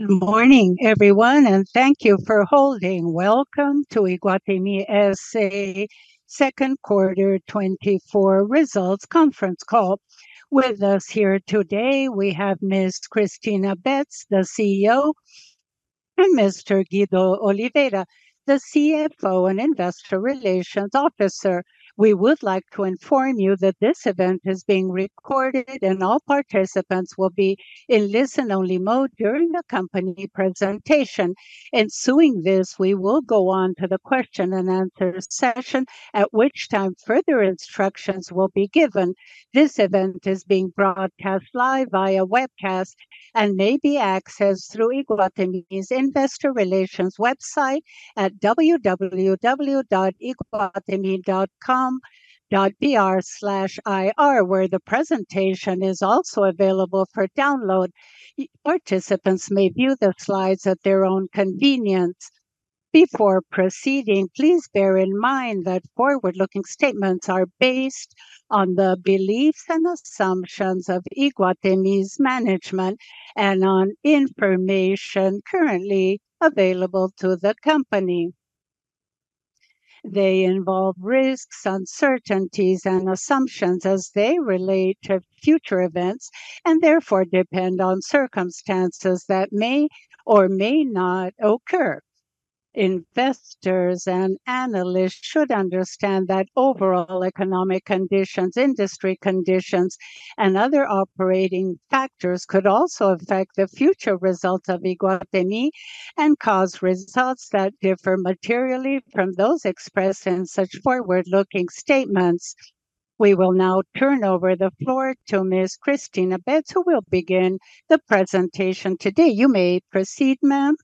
Good morning, everyone, and thank you for holding. Welcome to Iguatemi S.A. second quarter 2024 results conference call. With us here today, we have Ms. Cristina Betts, the CEO, and Mr. Guido Oliveira, the CFO and Investor Relations Officer. We would like to inform you that this event is being recorded, and all participants will be in listen-only mode during the company presentation. Ensuing this, we will go on to the question and answer session, at which time further instructions will be given. This event is being broadcast live via webcast and may be accessed through Iguatemi's investor relations website at www.iguatemi.com.br/ir, where the presentation is also available for download. Participants may view the slides at their own convenience. Before proceeding, please bear in mind that forward-looking statements are based on the beliefs and assumptions of Iguatemi's management and on information currently available to the company. They involve risks, uncertainties, and assumptions as they relate to future events, and therefore depend on circumstances that may or may not occur. Investors and analysts should understand that overall economic conditions, industry conditions, and other operating factors could also affect the future results of Iguatemi and cause results that differ materially from those expressed in such forward-looking statements. We will now turn over the floor to Ms. Cristina Betts, who will begin the presentation today. You may proceed, ma'am.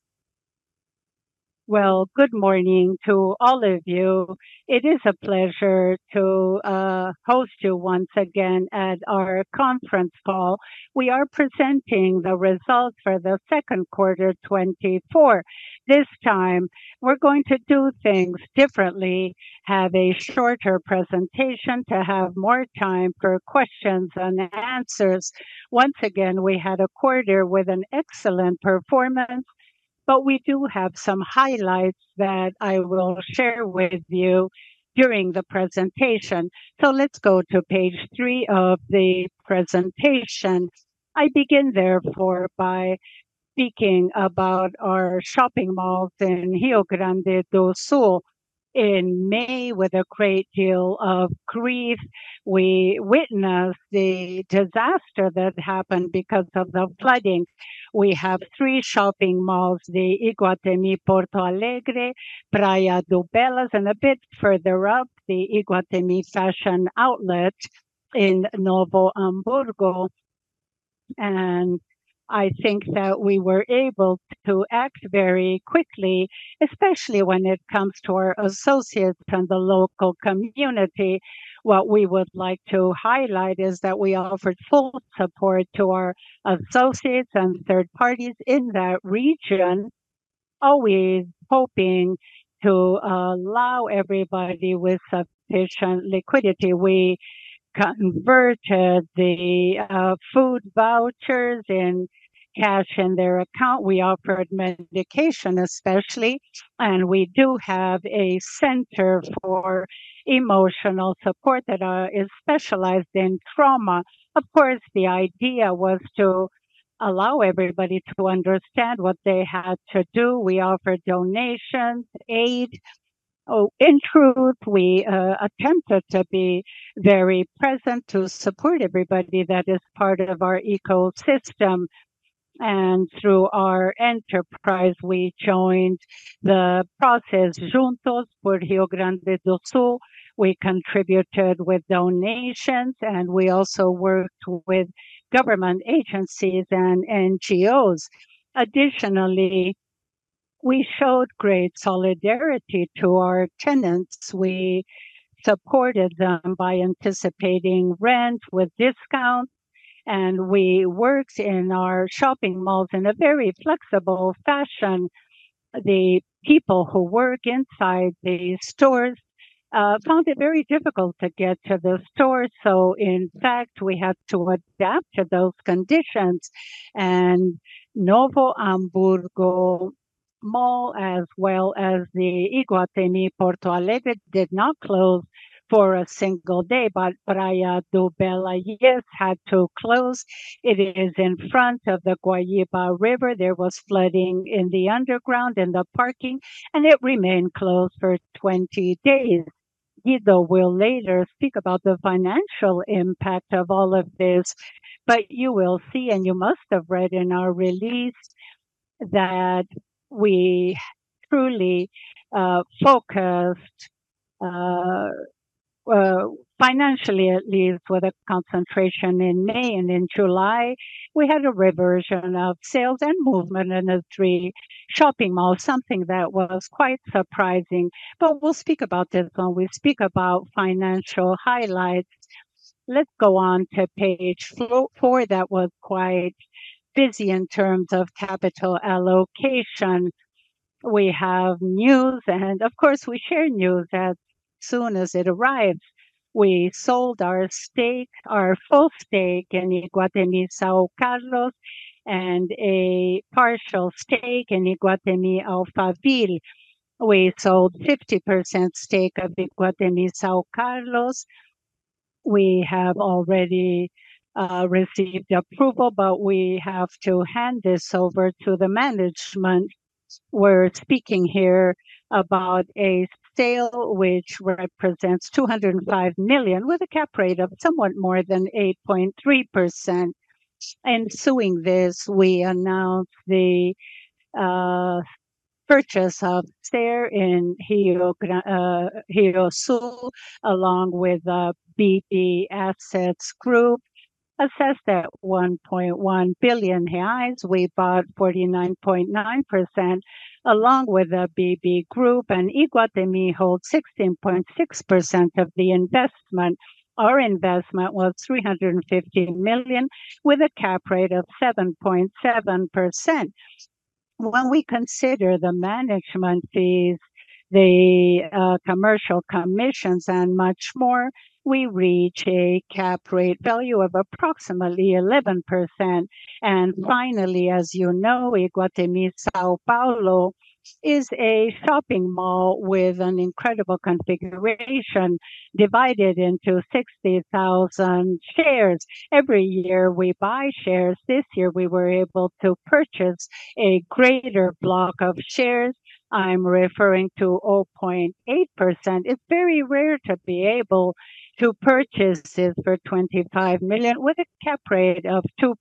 Well, good morning to all of you. It is a pleasure to host you once again at our conference call. We are presenting the results for the second quarter 2024. This time, we're going to do things differently, have a shorter presentation to have more time for questions and answers. Once again, we had a quarter with an excellent performance, but we do have some highlights that I will share with you during the presentation. So let's go to page three of the presentation. I begin, therefore, by speaking about our shopping malls in Rio Grande do Sul. In May, with a great deal of grief, we witnessed the disaster that happened because of the floodings. We have three shopping malls: the Iguatemi Porto Alegre, Praia de Belas, and a bit further up, the Iguatemi Fashion Outlet in Novo Hamburgo. And I think that we were able to act very quickly, especially when it comes to our associates and the local community. What we would like to highlight is that we offered full support to our associates and third parties in that region, always hoping to allow everybody with sufficient liquidity. We converted the food vouchers and cash in their account. We offered medication, especially, and we do have a center for emotional support that is specialized in trauma. Of course, the idea was to allow everybody to understand what they had to do. We offered donations, aid. Oh, in truth, we attempted to be very present to support everybody that is part of our ecosystem, and through our enterprise, we joined the process Juntos por Rio Grande do Sul. We contributed with donations, and we also worked with government agencies and NGOs. Additionally, we showed great solidarity to our tenants. We supported them by anticipating rent with discounts, and we worked in our shopping malls in a very flexible fashion. The people who work inside the stores found it very difficult to get to the stores, so in fact, we had to adapt to those conditions. Novo Hamburgo Mall, as well as the Iguatemi Porto Alegre, did not close for a single day, but Praia de Belas, yes, had to close. It is in front of the Guaíba River. There was flooding in the underground, in the parking, and it remained closed for 20 days. Guido will later speak about the financial impact of all of this, but you will see, and you must have read in our release, that we truly focused financially, at least, with a concentration in May and in July. We had a reversion of sales and movement in the three shopping malls, something that was quite surprising. We'll speak about this when we speak about financial highlights. Let's go on to page 4. That was quite busy in terms of capital allocation. We have news, and of course, we share news as soon as it arrives. We sold our stake, our full stake in Iguatemi São Carlos, and a partial stake in Iguatemi Alphaville. We sold 50% stake of Iguatemi São Carlos. We have already received the approval, but we have to hand this over to the management. We're speaking here about a sale which represents 205 million, with a cap rate of somewhat more than 8.3%. And ensuing this, we announced the purchase of share in RioSul, along with BB Asset Management, assessed at 1.1 billion reais. We bought 49.9%, along with the BB Group, and Iguatemi holds 16.6% of the investment. Our investment was 315 million, with a cap rate of 7.7%. When we consider the management fees, commercial commissions, and much more, we reach a cap rate value of approximately 11%. And finally, as you know, Iguatemi São Paulo is a shopping mall with an incredible configuration, divided into 60,000 shares. Every year, we buy shares. This year, we were able to purchase a greater block of shares. I'm referring to 0.8%. It's very rare to be able to purchase this for 25 million, with a cap rate of 2%.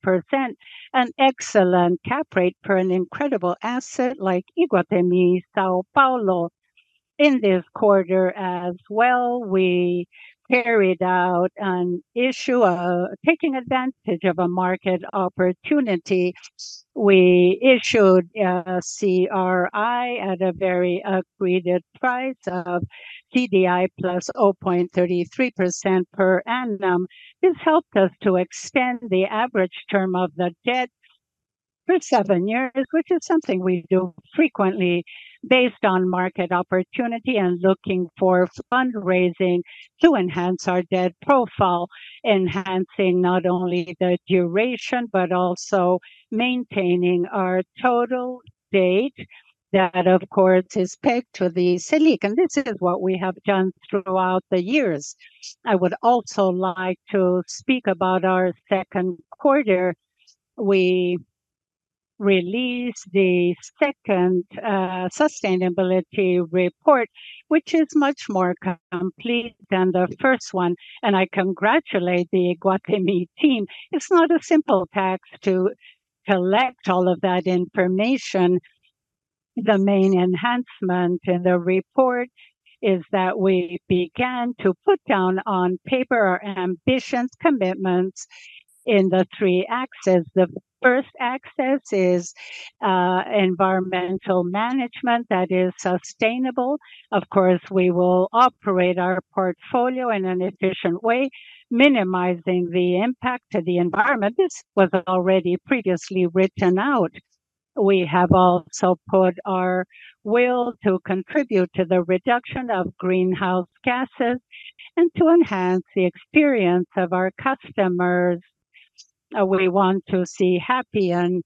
An excellent cap rate per an incredible asset like Iguatemi São Paulo. In this quarter as well, we carried out an issue. Taking advantage of a market opportunity, we issued a CRI at a very agreed price of CDI plus 0.33% per annum. This helped us to extend the average term of the debt for 7 years, which is something we do frequently based on market opportunity and looking for fundraising to enhance our debt profile, enhancing not only the duration, but also maintaining our total debt. That, of course, is pegged to the Selic, and this is what we have done throughout the years. I would also like to speak about our second quarter. We released the second sustainability report, which is much more complete than the first one, and I congratulate the Iguatemi team. It's not a simple task to collect all of that information. The main enhancement in the report is that we began to put down on paper our ambitions, commitments in the three axes. The first axis is environmental management that is sustainable. Of course, we will operate our portfolio in an efficient way, minimizing the impact to the environment. This was already previously written out. We have also put our will to contribute to the reduction of greenhouse gases and to enhance the experience of our customers. We want to see happy and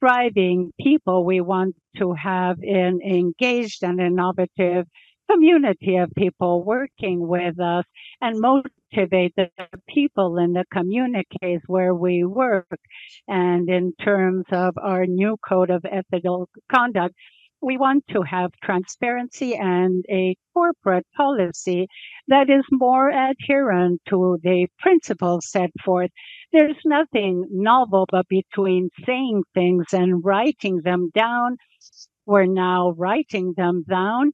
thriving people. We want to have an engaged and innovative community of people working with us, and motivate the people in the communities where we work. And in terms of our new code of ethical conduct, we want to have transparency and a corporate policy that is more adherent to the principles set forth. There's nothing novel, but between saying things and writing them down, we're now writing them down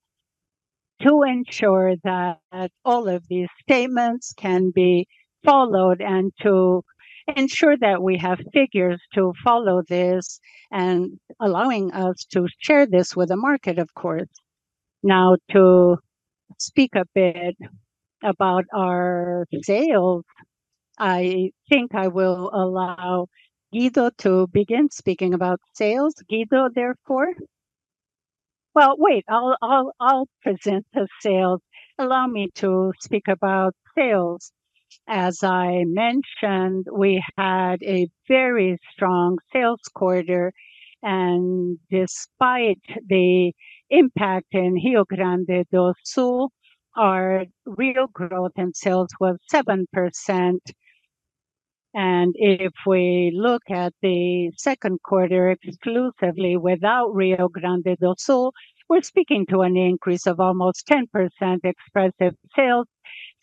to ensure that all of these statements can be followed, and to ensure that we have figures to follow this, and allowing us to share this with the market, of course. Now, to speak a bit about our sales, I think I will allow Guido to begin speaking about sales. Guido, therefore. Well, wait, I'll present the sales. Allow me to speak about sales. As I mentioned, we had a very strong sales quarter, and despite the impact in Rio Grande do Sul, our real growth in sales was 7%. If we look at the second quarter exclusively without Rio Grande do Sul, we're speaking to an increase of almost 10% expressive sales,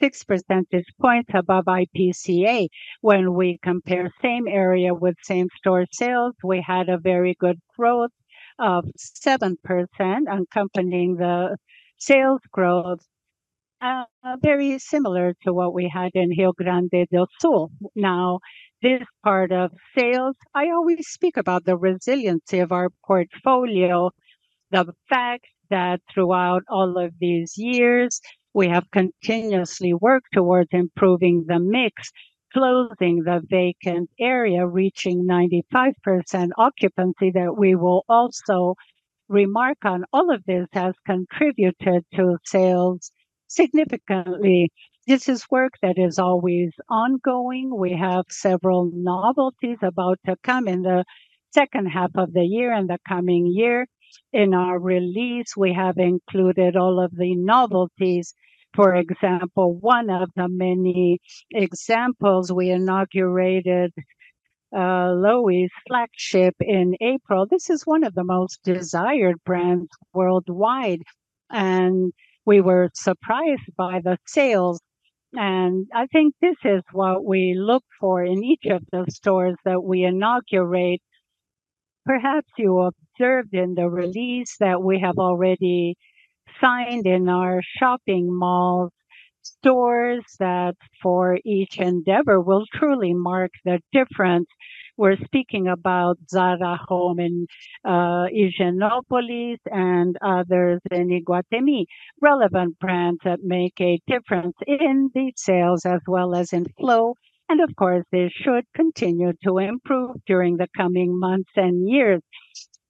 6% points above IPCA. When we compare same area with same store sales, we had a very good growth of 7% accompanying the sales growth, very similar to what we had in Rio Grande do Sul. Now, this part of sales, I always speak about the resiliency of our portfolio. The fact that throughout all of these years, we have continuously worked towards improving the mix, closing the vacant area, reaching 95% occupancy, remark on all of this has contributed to sales significantly. This is work that is always ongoing. We have several novelties about to come in the second half of the year and the coming year. In our release, we have included all of the novelties. For example, one of the many examples, we inaugurated Loewe's flagship in April. This is one of the most desired brands worldwide, and we were surprised by the sales. I think this is what we look for in each of the stores that we inaugurate. Perhaps you observed in the release that we have already signed in our shopping malls, stores that for each endeavor will truly mark the difference. We're speaking about Zara Home in Higienópolis and others in Iguatemi. Relevant brands that make a difference in the sales as well as in flow, and of course, this should continue to improve during the coming months and years.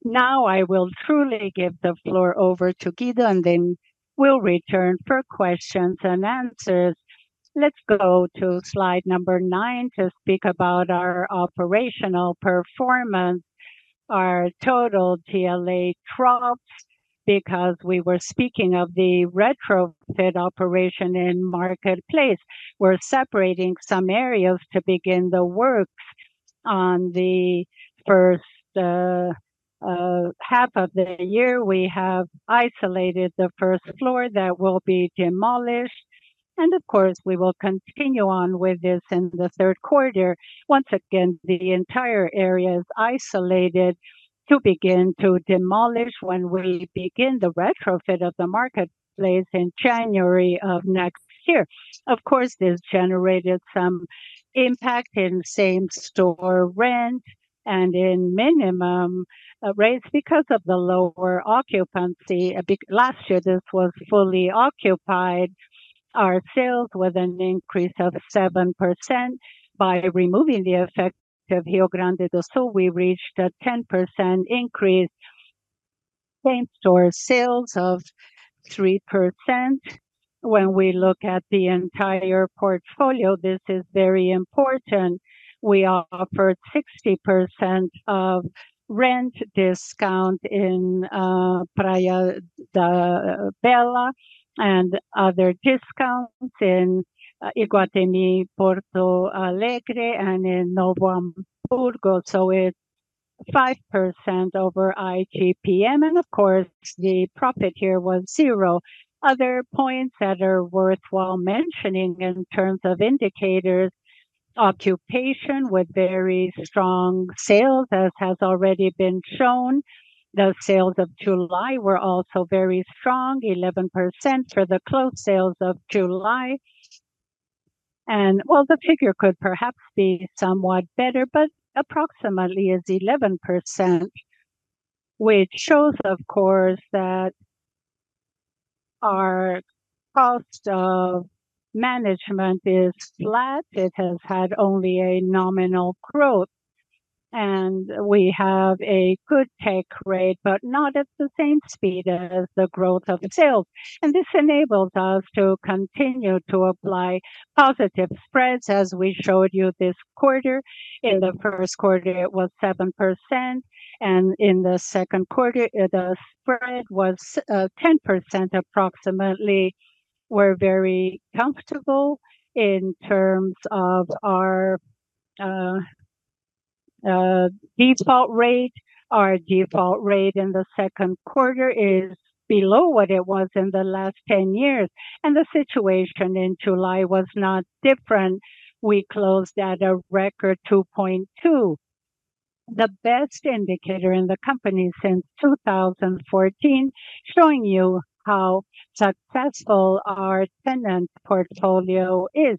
Now, I will truly give the floor over to Guido, and then we'll return for questions and answers. Let's go to slide number nine to speak about our operational performance. Our total GLA dropped because we were speaking of the retrofit operation in Market Place. We're separating some areas to begin the work. On the first half of the year, we have isolated the first floor that will be demolished, and of course, we will continue on with this in the third quarter. Once again, the entire area is isolated to begin to demolish when we begin the retrofit of the Market Place in January of next year. Of course, this generated some impact in same-store rent and in minimum rates because of the lower occupancy. Last year, this was fully occupied. Our sales with an increase of 7%. By removing the effect of Rio Grande do Sul, we reached a 10% increase, same-store sales of 3%. When we look at the entire portfolio, this is very important. We offered 60% of rent discount in Praia de Belas and other discounts in Iguatemi Porto Alegre, and in Novo Hamburgo. So it's 5% over IGP-M, and of course, the profit here was zero. Other points that are worthwhile mentioning in terms of indicators, occupancy with very strong sales, as has already been shown. The sales of July were also very strong, 11% for the same-store sales of July. Well, the figure could perhaps be somewhat better, but approximately is 11%, which shows, of course, that our cost of management is flat. It has had only a nominal growth, and we have a good take rate, but not at the same speed as the growth of sales. And this enables us to continue to apply positive spreads, as we showed you this quarter. In the first quarter, it was 7%, and in the second quarter, the spread was 10% approximately. We're very comfortable in terms of our default rate. Our default rate in the second quarter is below what it was in the last 10 years, and the situation in July was not different. We closed at a record 2.2, the best indicator in the company since 2014, showing you how successful our tenant portfolio is.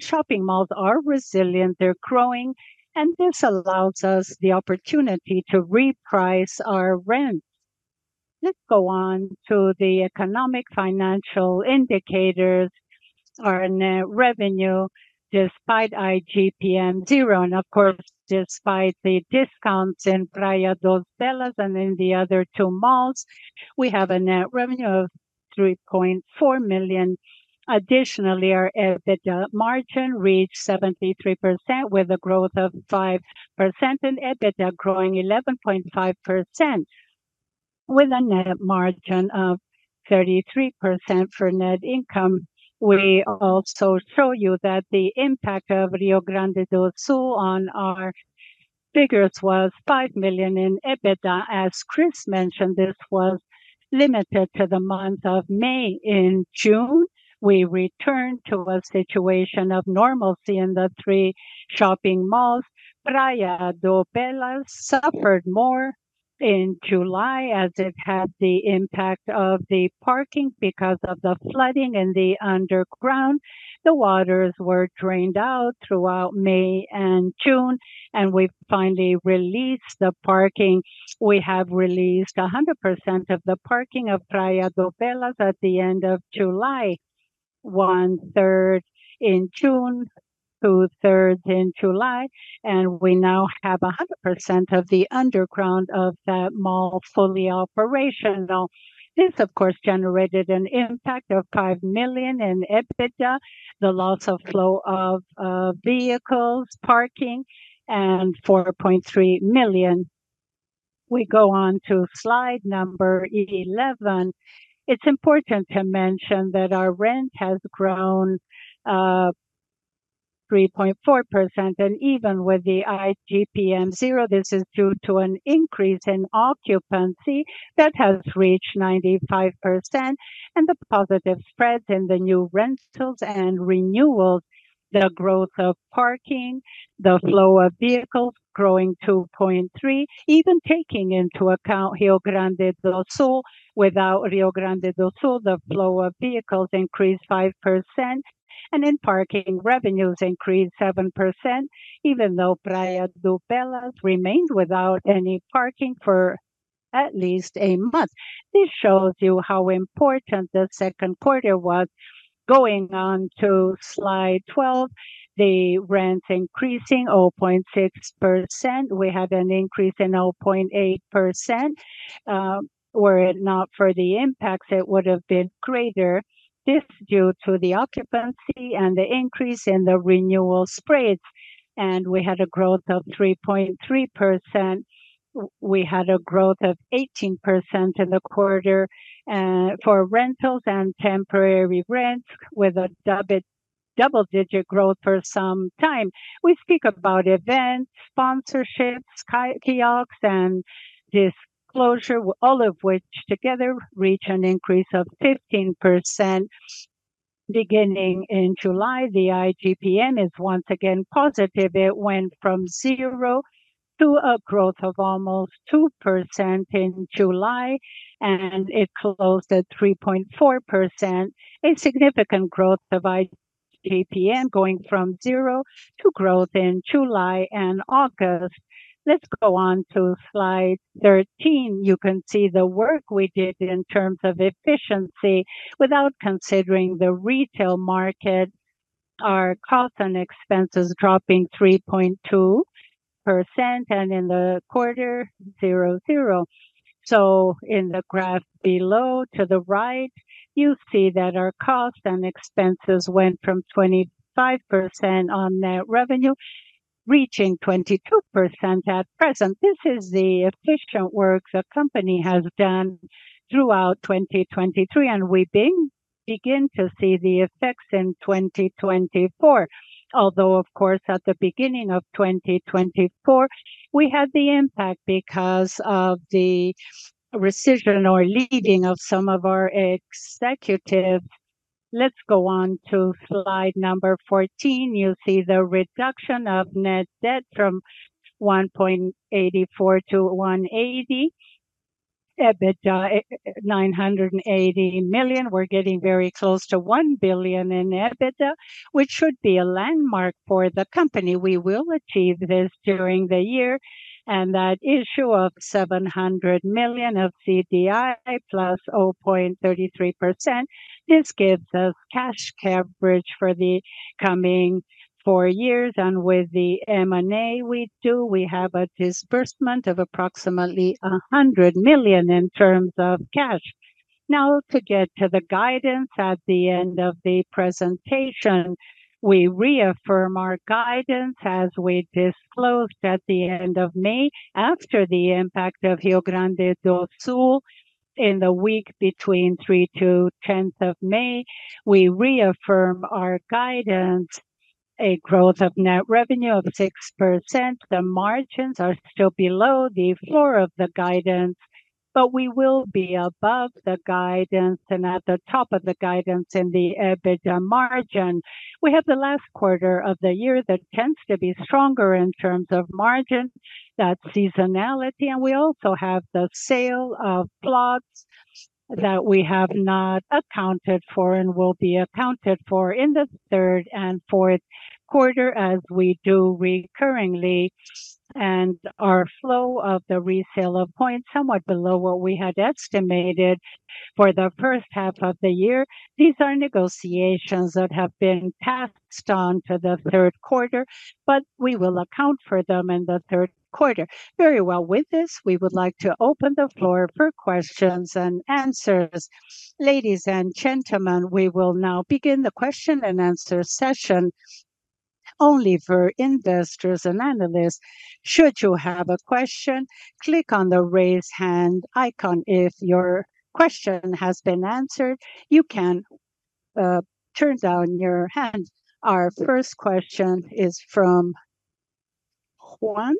Shopping malls are resilient, they're growing, and this allows us the opportunity to reprice our rents. Let's go on to the economic financial indicators. Our net revenue, despite IGP-M zero, and of course, despite the discounts in Praia de Belas and in the other two malls, we have a net revenue of 3.4 million. Additionally, our EBITDA margin reached 73%, with a growth of 5% in EBITDA growing 11.5%, with a net margin of 33% for net income. We also show you that the impact of Rio Grande do Sul on our figures was 5 million in EBITDA. As Cris mentioned, this was limited to the month of May. In June, we returned to a situation of normalcy in the three shopping malls. Praia de Belas suffered more in July, as it had the impact of the parking because of the flooding in the underground. The waters were drained out throughout May and June, and we finally released the parking. We have released 100% of the parking of Praia de Belas at the end of July: one third in June, two thirds in July, and we now have 100% of the underground of that mall fully operational. Now, this, of course, generated an impact of 5 million in EBITDA, the loss of flow of vehicles, parking, and 4.3 million. We go on to slide number 11. It's important to mention that our rent has grown 3.4%, and even with the IGP-M zero, this is due to an increase in occupancy that has reached 95%, and the positive spread in the new rentals and renewals, the growth of parking, the flow of vehicles growing 2.3. Even taking into account Rio Grande do Sul, without Rio Grande do Sul, the flow of vehicles increased 5%, and in parking, revenues increased 7%, even though Praia de Belas remained without any parking for at least a month. This shows you how important the second quarter was. Going on to slide 12, the rent increasing 0.6%. We had an increase in 0.8%. Were it not for the impacts, it would have been greater. This due to the occupancy and the increase in the renewal spreads, and we had a growth of 3.3%. We had a growth of 18% in the quarter for rentals and temporary rents, with a double-digit growth for some time. We speak about events, sponsorships, kiosks, and this closure, all of which together reach an increase of 15%. Beginning in July, the IGP-M is once again positive. It went from zero to a growth of almost 2% in July, and it closed at 3.4%, a significant growth of IGP-M, going from zero to growth in July and August. Let's go on to slide 13. You can see the work we did in terms of efficiency. Without considering the retail market, our costs and expenses dropping 3.2%, and in the quarter, 0.0. So in the graph below, to the right, you see that our costs and expenses went from 25% on net revenue, reaching 22% at present. This is the efficient work the company has done throughout 2023, and we begin to see the effects in 2024. Although, of course, at the beginning of 2024, we had the impact because of the resignation or leaving of some of our executives. Let's go on to slide number 14. You'll see the reduction of net debt from 1.84 to 1.80x EBITDA of 980 million. We're getting very close to 1 billion in EBITDA, which should be a landmark for the company. We will achieve this during the year, and that issue of 700 million of CDI plus 0.33%, this gives us cash coverage for the coming four years. With the M&A we do, we have a disbursement of approximately 100 million in terms of cash. Now, to get to the guidance at the end of the presentation, we reaffirm our guidance as we disclosed at the end of May. After the impact of Rio Grande do Sul, in the week between third to tenth of May, we reaffirm our guidance, a growth of net revenue of 6%. The margins are still below the floor of the guidance, but we will be above the guidance and at the top of the guidance in the EBITDA margin. We have the last quarter of the year that tends to be stronger in terms of margin, that seasonality, and we also have the sale of plots that we have not accounted for and will be accounted for in the third and fourth quarter, as we do recurringly. And our flow of the resale of points, somewhat below what we had estimated for the first half of the year. These are negotiations that have been passed on to the third quarter, but we will account for them in the third quarter. Very well. With this, we would like to open the floor for questions and answers. Ladies and gentlemen, we will now begin the question and answer session only for investors and analysts. Should you have a question, click on the Raise Hand icon. If your question has been answered, you can, turn down your hand. Our first question is from Juan,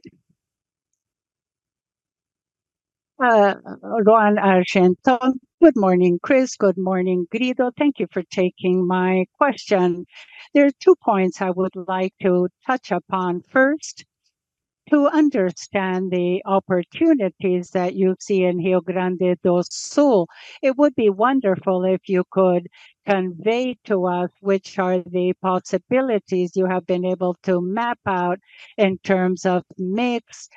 Juan Argento. Good morning, Cris. Good morning, Guido. Thank you for taking my question. There are two points I would like to touch upon. First, to understand the opportunities that you see in Rio Grande do Sul, it would be wonderful if you could convey to us which are the possibilities you have been able to map out in terms of mix,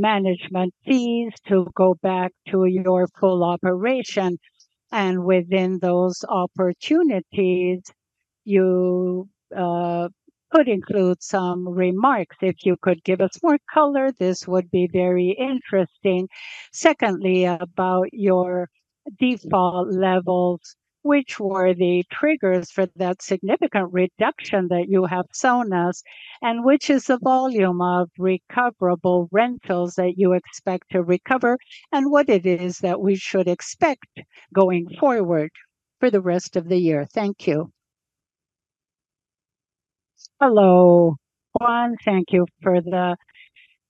management fees, to go back to your full operation. And within those opportunities, you could include some remarks. If you could give us more color, this would be very interesting. Secondly, about your default levels, which were the triggers for that significant reduction that you have shown us, and which is the volume of recoverable rentals that you expect to recover, and what it is that we should expect going forward for the rest of the year? Thank you. Hello, Juan, thank you for the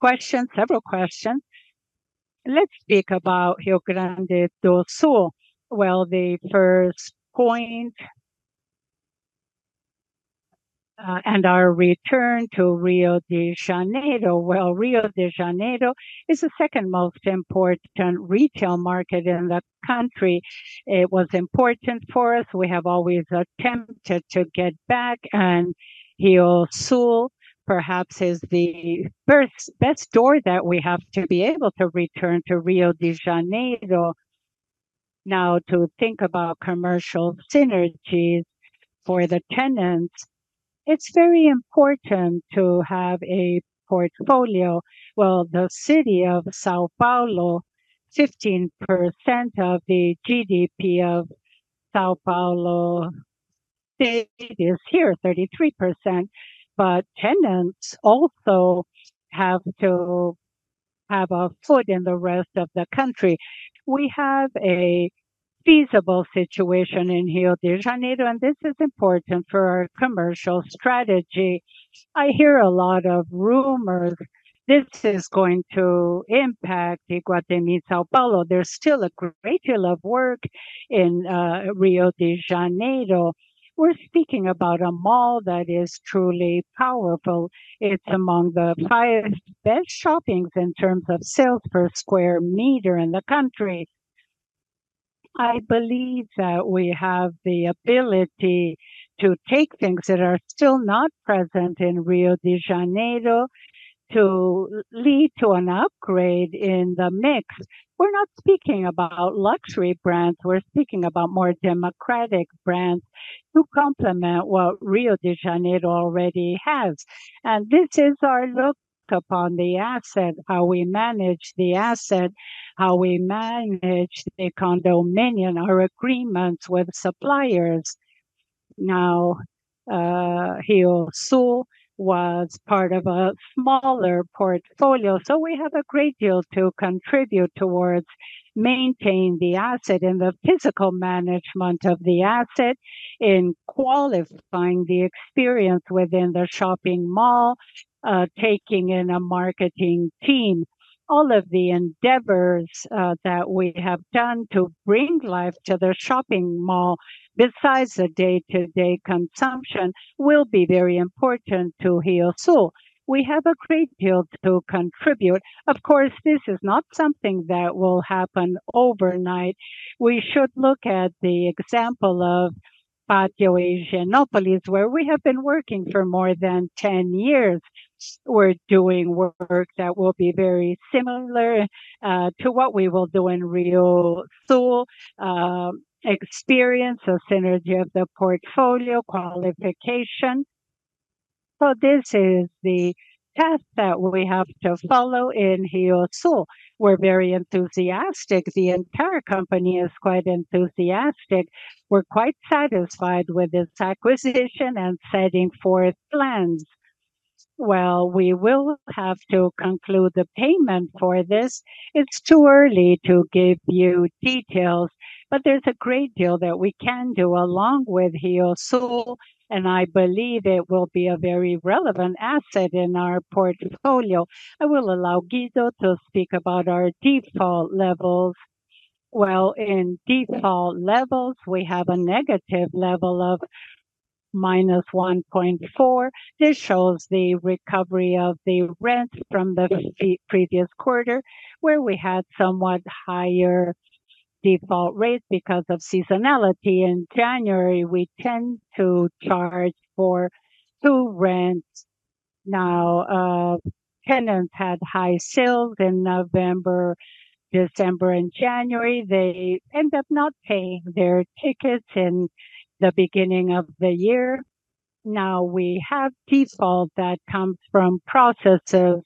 question, several questions. Let's speak about Rio Grande do Sul. Well, the first point, and our return to Rio de Janeiro. Well, Rio de Janeiro is the second most important retail market in the country. It was important for us. We have always attempted to get back, and RioSul perhaps is the first best store that we have to be able to return to Rio de Janeiro. Now, to think about commercial synergies for the tenants, it's very important to have a portfolio. Well, the city of São Paulo, 15% of the GDP of São Paulo state is here, 33%, but tenants also have to have a foot in the rest of the country. We have a feasible situation in Rio de Janeiro, and this is important for our commercial strategy. I hear a lot of rumors. This is going to impact Iguatemi São Paulo. There's still a great deal of work in Rio de Janeiro. We're speaking about a mall that is truly powerful. It's among the highest, best shoppings in terms of sales per square meter in the country. I believe that we have the ability to take things that are still not present in Rio de Janeiro to lead to an upgrade in the mix. We're not speaking about luxury brands; we're speaking about more democratic brands to complement what Rio de Janeiro already has. And this is our look upon the asset, how we manage the asset, how we manage the condominium, our agreements with suppliers. Now, RioSul was part of a smaller portfolio, so we have a great deal to contribute towards maintaining the asset and the physical management of the asset, in qualifying the experience within the shopping mall, taking in a marketing team. All of the endeavors that we have done to bring life to the shopping mall, besides the day-to-day consumption, will be very important to RioSul. We have a great deal to contribute. Of course, this is not something that will happen overnight. We should look at the example of Pátio Higienópolis, where we have been working for more than 10 years. We're doing work that will be very similar to what we will do in RioSul, experience, the synergy of the portfolio, qualification. So this is the path that we have to follow in RioSul. We're very enthusiastic. The entire company is quite enthusiastic. We're quite satisfied with this acquisition and setting forth plans. Well, we will have to conclude the payment for this. It's too early to give you details, but there's a great deal that we can do along with RioSul, and I believe it will be a very relevant asset in our portfolio. I will allow Guido to speak about our default levels. Well, in default levels, we have a negative level of -1.4. This shows the recovery of the rents from the pre-previous quarter, where we had somewhat higher default rates because of seasonality. In January, we tend to charge for two rents. Now, tenants had high sales in November, December, and January. They end up not paying their tickets in the beginning of the year. Now, we have default that comes from processes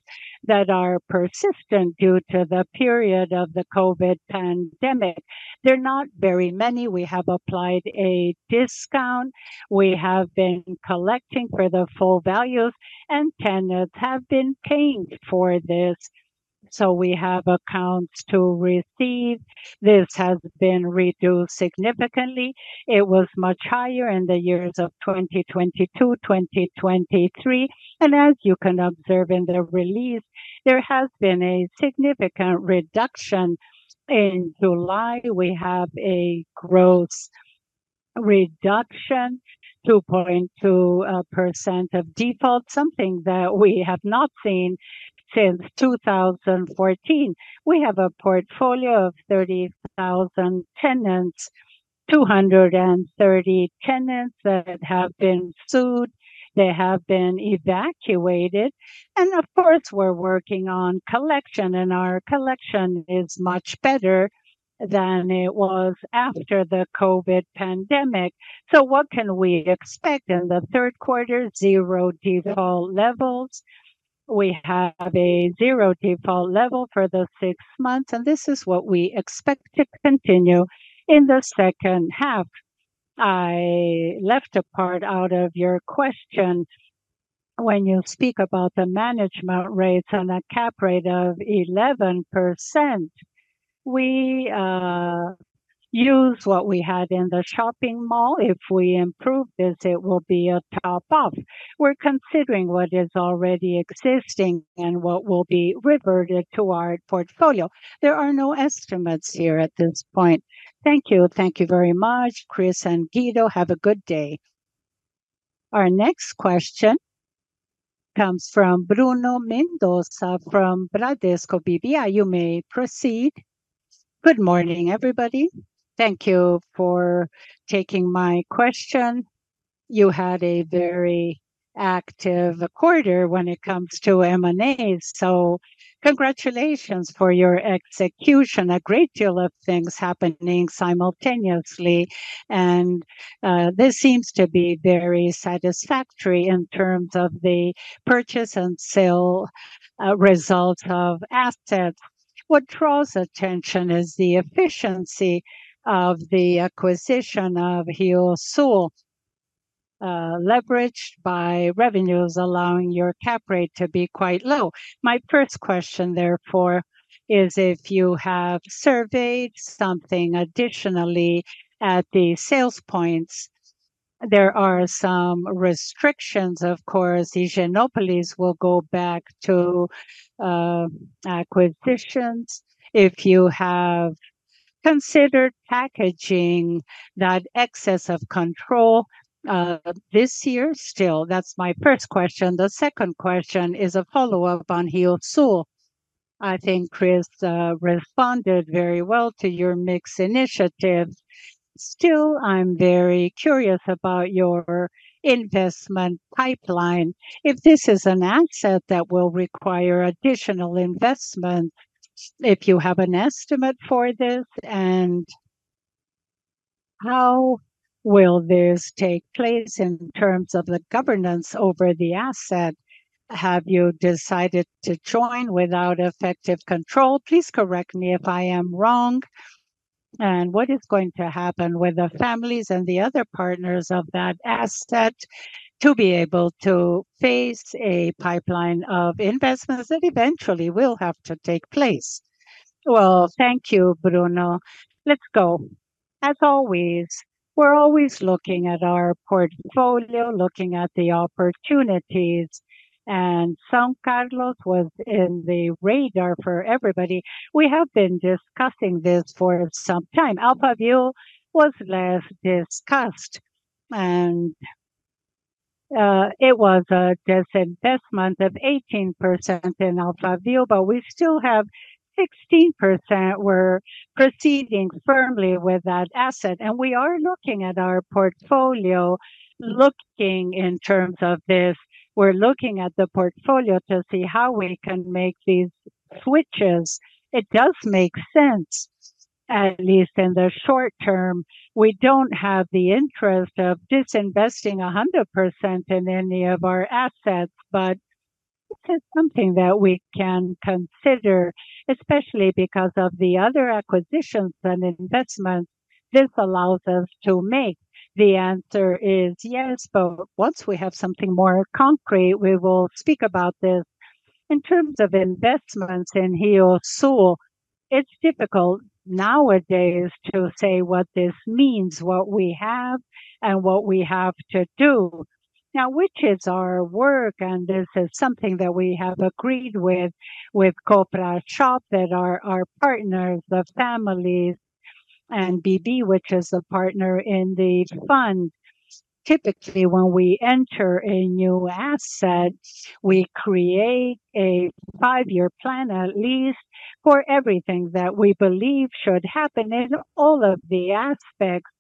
that are persistent due to the period of the COVID pandemic. They're not very many. We have applied a discount. We have been collecting for the full values, and tenants have been paying for this, so we have accounts to receive. This has been reduced significantly. It was much higher in the years of 2022, 2023, and as you can observe in the release, there has been a significant reduction. In July, we have a gross reduction, 2.2% of default, something that we have not seen since 2014. We have a portfolio of 30,000 tenants, 230 tenants that have been sued. They have been evacuated, and of course, we're working on collection, and our collection is much better than it was after the COVID pandemic. So what can we expect in the third quarter? Zero default levels. We have a zero default level for the six months, and this is what we expect to continue in the second half. I left a part out of your question. When you speak about the management rates and a cap rate of 11%, we use what we had in the shopping mall. If we improve this, it will be a top up. We're considering what is already existing and what will be reverted to our portfolio. There are no estimates here at this point. Thank you. Thank you very much, Cris and Guido. Have a good day. Our next question comes from Bruno Mendonça from Bradesco BBI. You may proceed. Good morning, everybody. Thank you for taking my question. You had a very active quarter when it comes to M&A's, so congratulations for your execution. A great deal of things happening simultaneously, and this seems to be very satisfactory in terms of the purchase and sale result of assets. What draws attention is the efficiency of the acquisition of RioSul, leveraged by revenues, allowing your cap rate to be quite low. My first question, therefore, is if you have surveyed something additionally at the sales points, there are some restrictions. Of course, Higienópolis will go back to acquisitions. If you have considered packaging that excess of control this year still, that's my first question. The second question is a follow-up on RioSul. I think Cris responded very well to your mix initiatives. Still, I'm very curious about your investment pipeline. If this is an asset that will require additional investment, if you have an estimate for this, and how will this take place in terms of the governance over the asset? Have you decided to join without effective control? Please correct me if I am wrong. And what is going to happen with the families and the other partners of that asset to be able to face a pipeline of investments that eventually will have to take place? Well, thank you, Bruno. Let's go. As always, we're always looking at our portfolio, looking at the opportunities, and São Carlos was on the radar for everybody. We have been discussing this for some time. Alphaville was less discussed, and it was a disinvestment of 18% in Alphaville, but we still have 16%. We're proceeding firmly with that asset, and we are looking at our portfolio, looking in terms of this. We're looking at the portfolio to see how we can make these switches. It does make sense, at least in the short term. We don't have the interest of disinvesting 100% in any of our assets, but this is something that we can consider, especially because of the other acquisitions and investments this allows us to make. The answer is yes, but once we have something more concrete, we will speak about this. In terms of investments in RioSul, it's difficult nowadays to say what this means, what we have, and what we have to do. Now, which is our work, and this is something that we have agreed with, with Combrashop that are our partners, the families, and BB, which is a partner in the fund. Typically, when we enter a new asset, we create a five-year plan, at least for everything that we believe should happen in all of the aspects,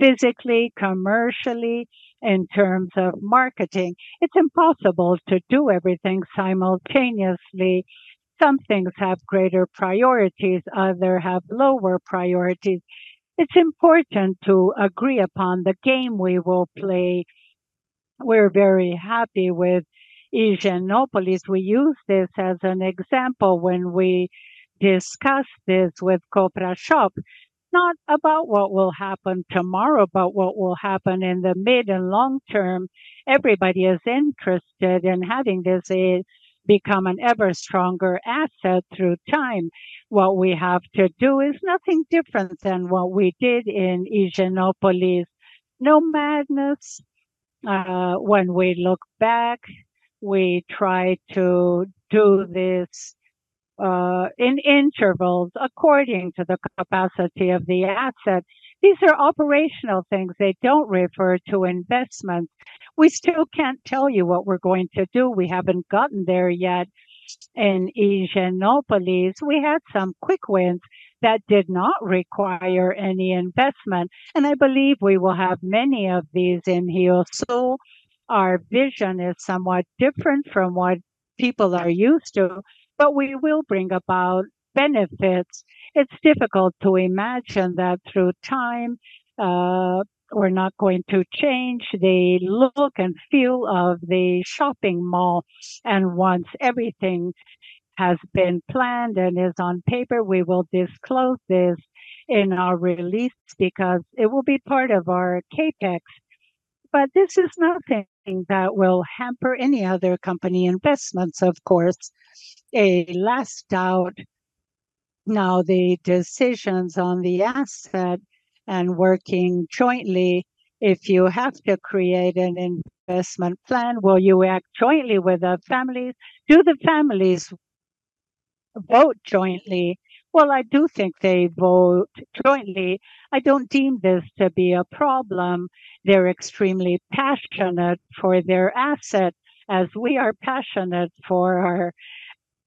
physically, commercially, in terms of marketing. It's impossible to do everything simultaneously. Some things have greater priorities, others have lower priorities. It's important to agree upon the game we will play. We're very happy with Higienópolis. We use this as an example when we discuss this with Combrashop, not about what will happen tomorrow, but what will happen in the mid and long term. Everybody is interested in having this become an ever stronger asset through time. What we have to do is nothing different than what we did in Higienópolis. No madness. When we look back, we try to do this in intervals according to the capacity of the asset. These are operational things. They don't refer to investments. We still can't tell you what we're going to do. We haven't gotten there yet. In Higienópolis, we had some quick wins that did not require any investment, and I believe we will have many of these in RioSul. Our vision is somewhat different from what people are used to, but we will bring about benefits. It's difficult to imagine that through time, we're not going to change the look and feel of the shopping mall, and once everything has been planned and is on paper, we will disclose this in our release because it will be part of our CapEx. But this is nothing that will hamper any other company investments, of course. A last doubt, Now the decisions on the asset and working jointly, if you have to create an investment plan, will you act jointly with the families? Do the families vote jointly? Well, I do think they vote jointly. I don't deem this to be a problem. They're extremely passionate for their asset, as we are passionate for our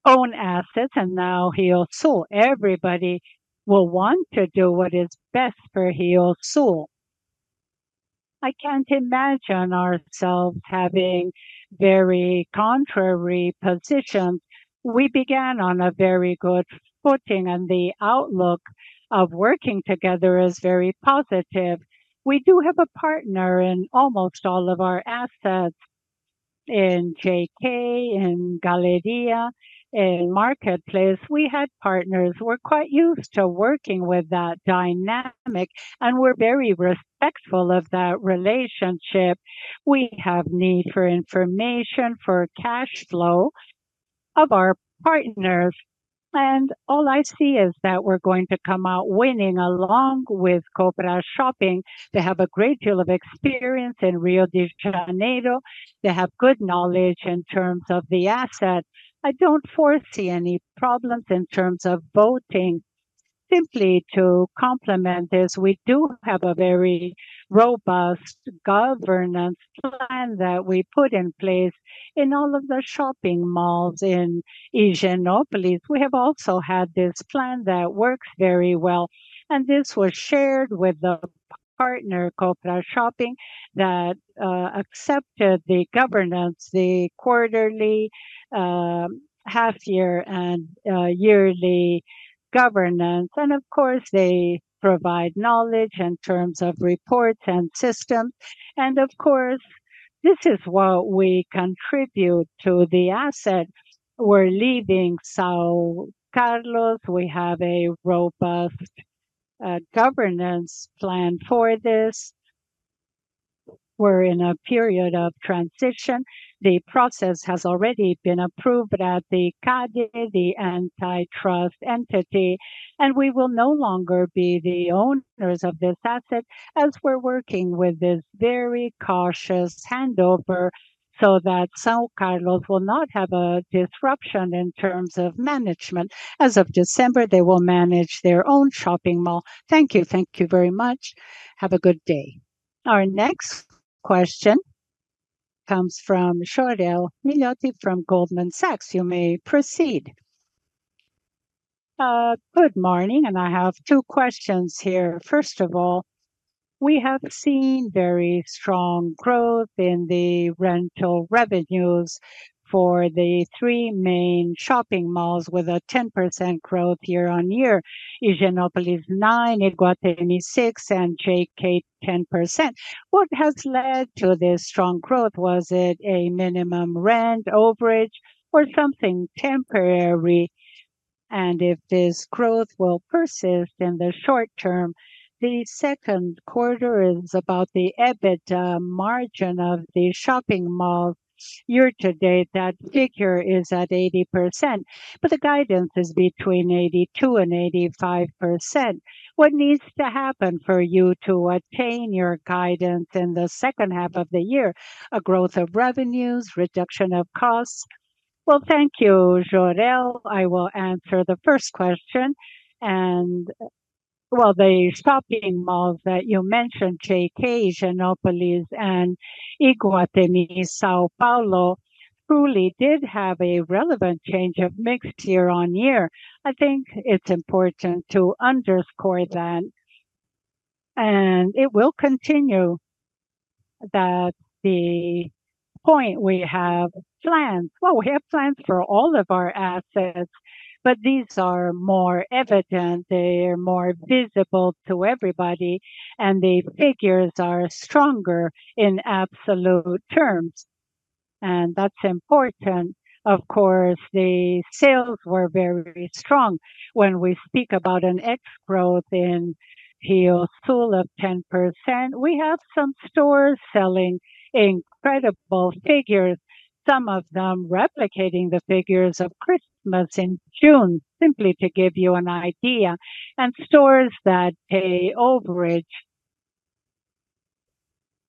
own assets, and now RioSul. Everybody will want to do what is best for RioSul. I can't imagine ourselves having very contrary positions. We began on a very good footing, and the outlook of working together is very positive. We do have a partner in almost all of our assets. In JK, in Galleria, in Market Place, we had partners. We're quite used to working with that dynamic, and we're very respectful of that relationship. We have need for information, for cash flow of our partners, and all I see is that we're going to come out winning along with Combrashop. They have a great deal of experience in Rio de Janeiro. They have good knowledge in terms of the asset. I don't foresee any problems in terms of voting. Simply to complement this, we do have a very robust governance plan that we put in place in all of the shopping malls in Higienópolis. We have also had this plan that works very well, and this was shared with the partner, Combrashop, that accepted the governance, the quarterly, half year, and yearly governance. Of course, they provide knowledge in terms of reports and systems. Of course, this is what we contribute to the asset. We're leaving São Carlos. We have a robust governance plan for this. We're in a period of transition. The process has already been approved at the CADE, the antitrust entity, and we will no longer be the owners of this asset as we're working with this very cautious handover so that São Carlos will not have a disruption in terms of management. As of December, they will manage their own shopping mall. Thank you. Thank you very much. Have a good day. Our next question comes from Sorel Miloti from Goldman Sachs. You may proceed. Good morning, and I have two questions here. First of all, we have seen very strong growth in the rental revenues for the three main shopping malls, with a 10% growth year-on-year. Higienópolis, 9%, Iguatemi, 6%, and JK, 10%. What has led to this strong growth? Was it a minimum rent overage or something temporary? If this growth will persist in the short term, the second quarter is about the EBIT margin of the shopping mall. Year to date, that figure is at 80%, but the guidance is between 82% and 85%. What needs to happen for you to attain your guidance in the second half of the year? A growth of revenues, reduction of costs? Well, thank you, Sorel. I will answer the first question. And, well, the shopping malls that you mentioned, JK, Higienópolis, and Iguatemi São Paulo, truly did have a relevant change of mix year-over-year. I think it's important to underscore that, and it will continue that the point we have plans. Well, we have plans for all of our assets, but these are more evident, they are more visible to everybody, and the figures are stronger in absolute terms, and that's important. Of course, the sales were very, very strong. When we speak about an ex growth in RioSul of 10%, we have some stores selling incredible figures, some of them replicating the figures of Christmas in June, simply to give you an idea, and stores that pay overage.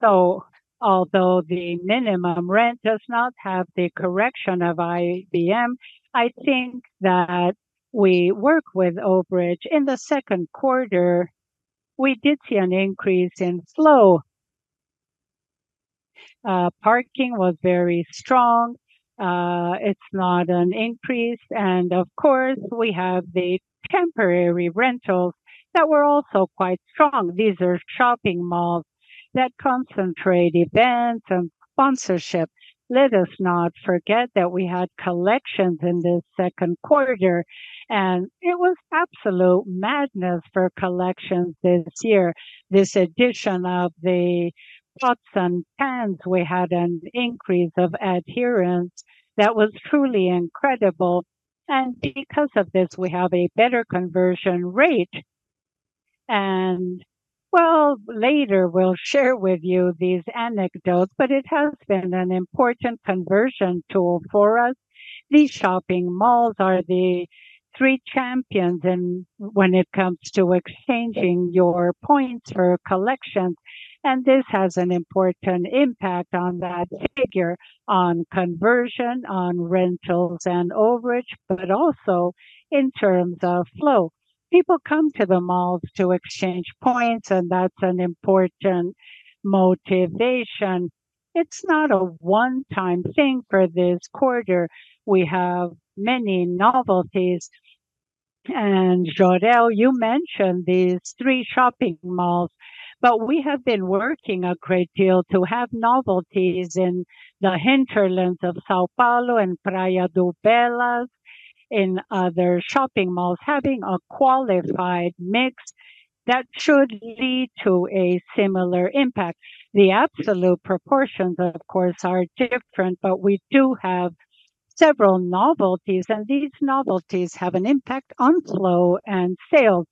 So although the minimum rent does not have the correction of IGP-M, I think that we work with overage. In the second quarter, we did see an increase in flow. Parking was very strong. It's not an increase. And of course, we have the temporary rentals that were also quite strong. These are shopping malls that concentrate events and sponsorship. Let us not forget that we had collections in the second quarter, and it was absolute madness for collections this year. This addition of the pots and pans, we had an increase of adherence that was truly incredible. And because of this, we have a better conversion rate. And, well, later we'll share with you these anecdotes, but it has been an important conversion tool for us. These shopping malls are the three champions in, when it comes to exchanging your points or collections, and this has an important impact on that figure, on conversion, on rentals and overage, but also in terms of flow. People come to the malls to exchange points, and that's an important motivation. It's not a one-time thing for this quarter. We have many novelties, and Sorel, you mentioned these three shopping malls, but we have been working a great deal to have novelties in the hinterlands of São Paulo and Praia de Belas, in other shopping malls, having a qualified mix that should lead to a similar impact. The absolute proportions, of course, are different, but we do have several novelties, and these novelties have an impact on flow and sales.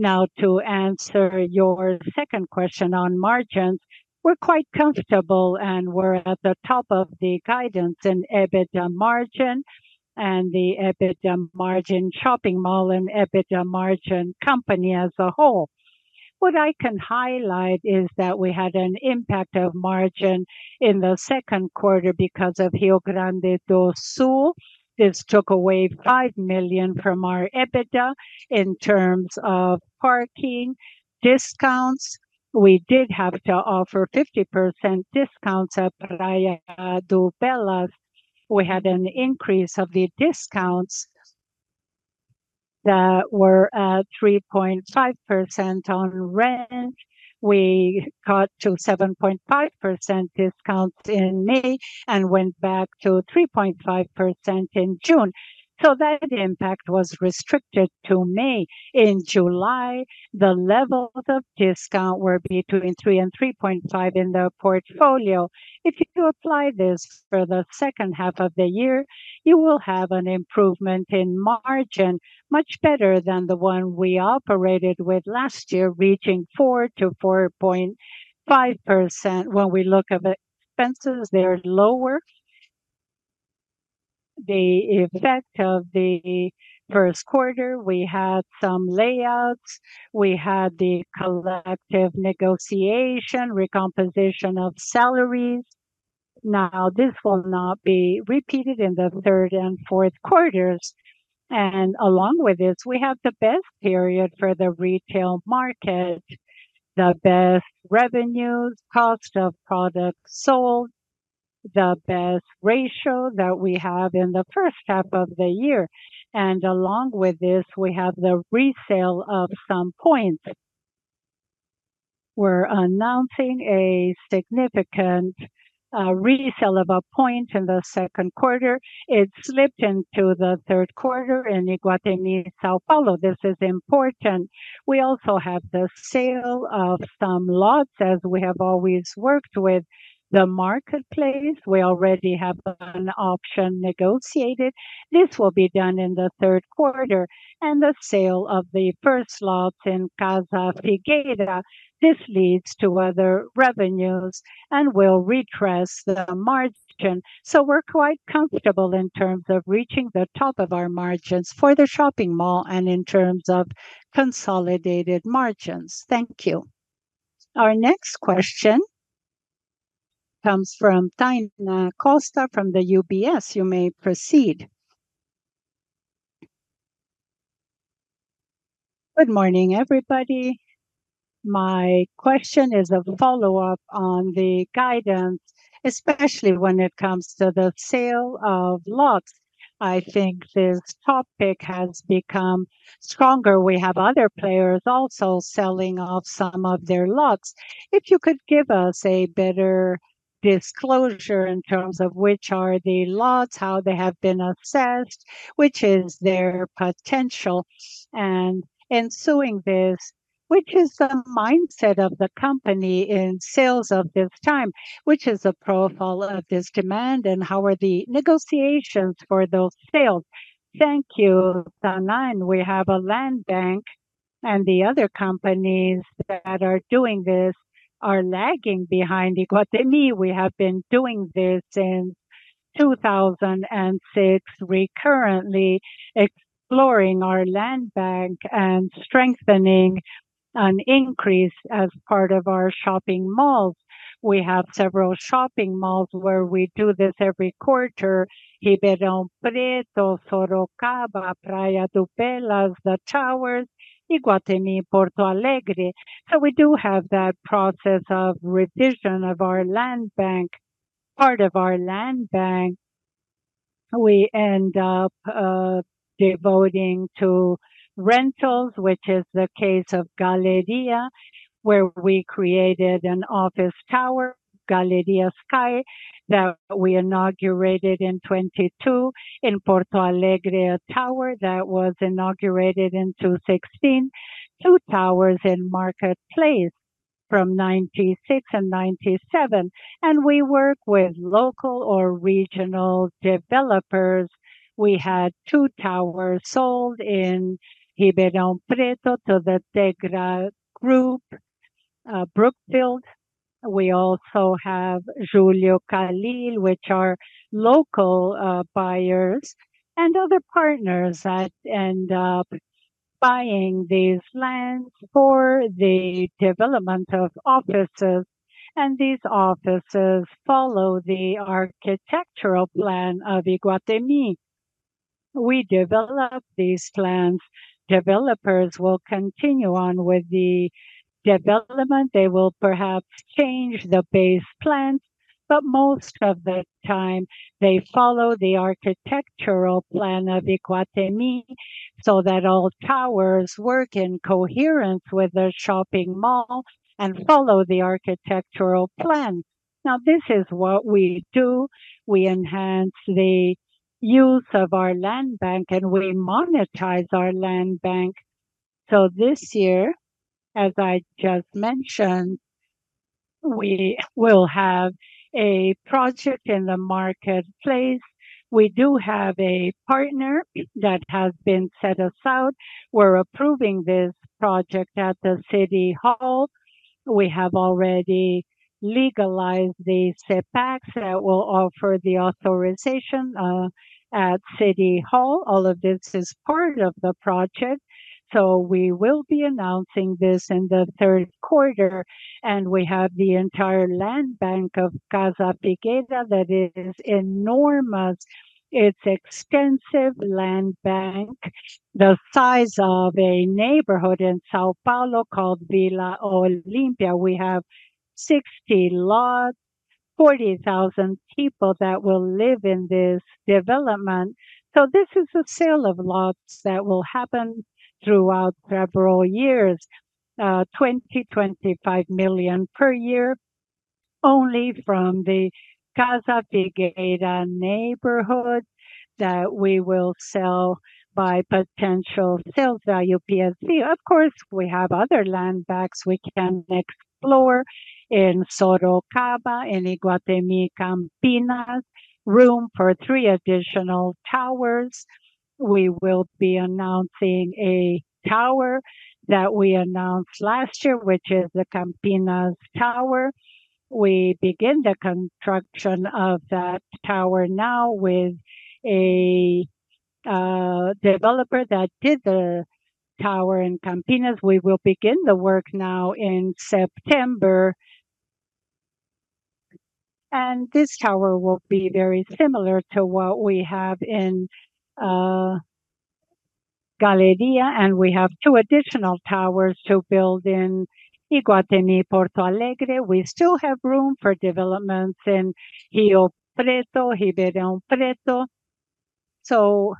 Now, to answer your second question on margins, we're quite comfortable, and we're at the top of the guidance in EBITDA margin and the EBITDA margin shopping mall and EBITDA margin company as a whole. What I can highlight is that we had an impact of margin in the second quarter because of Rio Grande do Sul. This took away 5 million from our EBITDA. In terms of parking discounts, we did have to offer 50% discounts at Praia de Belas. We had an increase of the discounts that were at 3.5% on rent. We got to 7.5% discounts in May and went back to 3.5% in June. So that impact was restricted to May. In July, the levels of discount were between 3 and 3.5 in the portfolio. If you apply this for the second half of the year, you will have an improvement in margin, much better than the one we operated with last year, reaching 4%-4.5%. When we look at the expenses, they are lower. The effect of the first quarter, we had some layouts, we had the collective negotiation, recomposition of salaries. Now, this will not be repeated in the third and fourth quarters, and along with this, we have the best period for the retail market, the best revenues, cost of products sold, the best ratio that we have in the first half of the year. And along with this, we have the resale of some points. We're announcing a significant resale of a point in the second quarter. It slipped into the third quarter in Iguatemi São Paulo. This is important. We also have the sale of some lots, as we have always worked with the Market Place. We already have an option negotiated. This will be done in the third quarter, and the sale of the first lots in Casa Figueira. This leads to other revenues and will redress the margin. So we're quite comfortable in terms of reaching the top of our margins for the shopping mall and in terms of consolidated margins. Thank you. Our next question comes from Tainá Costa from the UBS. You may proceed. Good morning, everybody. My question is a follow-up on the guidance, especially when it comes to the sale of lots. I think this topic has become stronger. We have other players also selling off some of their lots. If you could give us a better disclosure in terms of which are the lots, how they have been assessed, which is their potential, and ensuing this, which is the mindset of the company in sales of this time? Which is the profile of this demand, and how are the negotiations for those sales? Thank you. Online, we have a land bank, and the other companies that are doing this are lagging behind Iguatemi. We have been doing this since 2006. We're currently exploring our land bank and strengthening an increase as part of our shopping malls. We have several shopping malls where we do this every quarter: Ribeirão Preto, Sorocaba, Praia de Belas, the Towers, Iguatemi, Porto Alegre. So we do have that process of revision of our land bank. Part of our land bank, we end up devoting to rentals, which is the case of Galleria, where we created an office tower, Galleria Sky, that we inaugurated in 2022 in Porto Alegre, a tower that was inaugurated in 2016, two towers in Market Place from 1996 and 1997, and we work with local or regional developers. We had two towers sold in Ribeirão Preto to the Tegra Group, Brookfield. We also have Júlio Kalil, which are local buyers and other partners that end up buying these lands for the development of offices, and these offices follow the architectural plan of Iguatemi. We develop these plans. Developers will continue on with the development. They will perhaps change the base plans, but most of the time, they follow the architectural plan of Iguatemi, so that all towers work in coherence with the shopping mall and follow the architectural plan. Now, this is what we do. We enhance the use of our land bank, and we monetize our land bank. So this year, as I just mentioned, we will have a project in the Market Place. We do have a partner that has been set us out. We're approving this project at the city hall. We have already legalized the setbacks that will offer the authorization at city hall. All of this is part of the project, so we will be announcing this in the third quarter, and we have the entire land bank of Casa Figueira that is enormous. It's extensive land bank, the size of a neighborhood in São Paulo called Vila Olímpia. We have 60 lots, 40,000 people that will live in this development. So this is a sale of lots that will happen throughout several years, 20-25 million per year, only from the Casa Figueira neighborhood, that we will sell by potential sales value PSV. Of course, we have other land banks we can explore in Sorocaba, in Iguatemi Campinas, room for 3 additional towers. We will be announcing a tower that we announced last year, which is the Campinas Tower. We begin the construction of that tower now with a developer that did the tower in Campinas. We will begin the work now in September, and this tower will be very similar to what we have in Galleria, and we have 2 additional towers to build in Iguatemi Porto Alegre. We still have room for developments in Rio Preto, Ribeirão Preto. So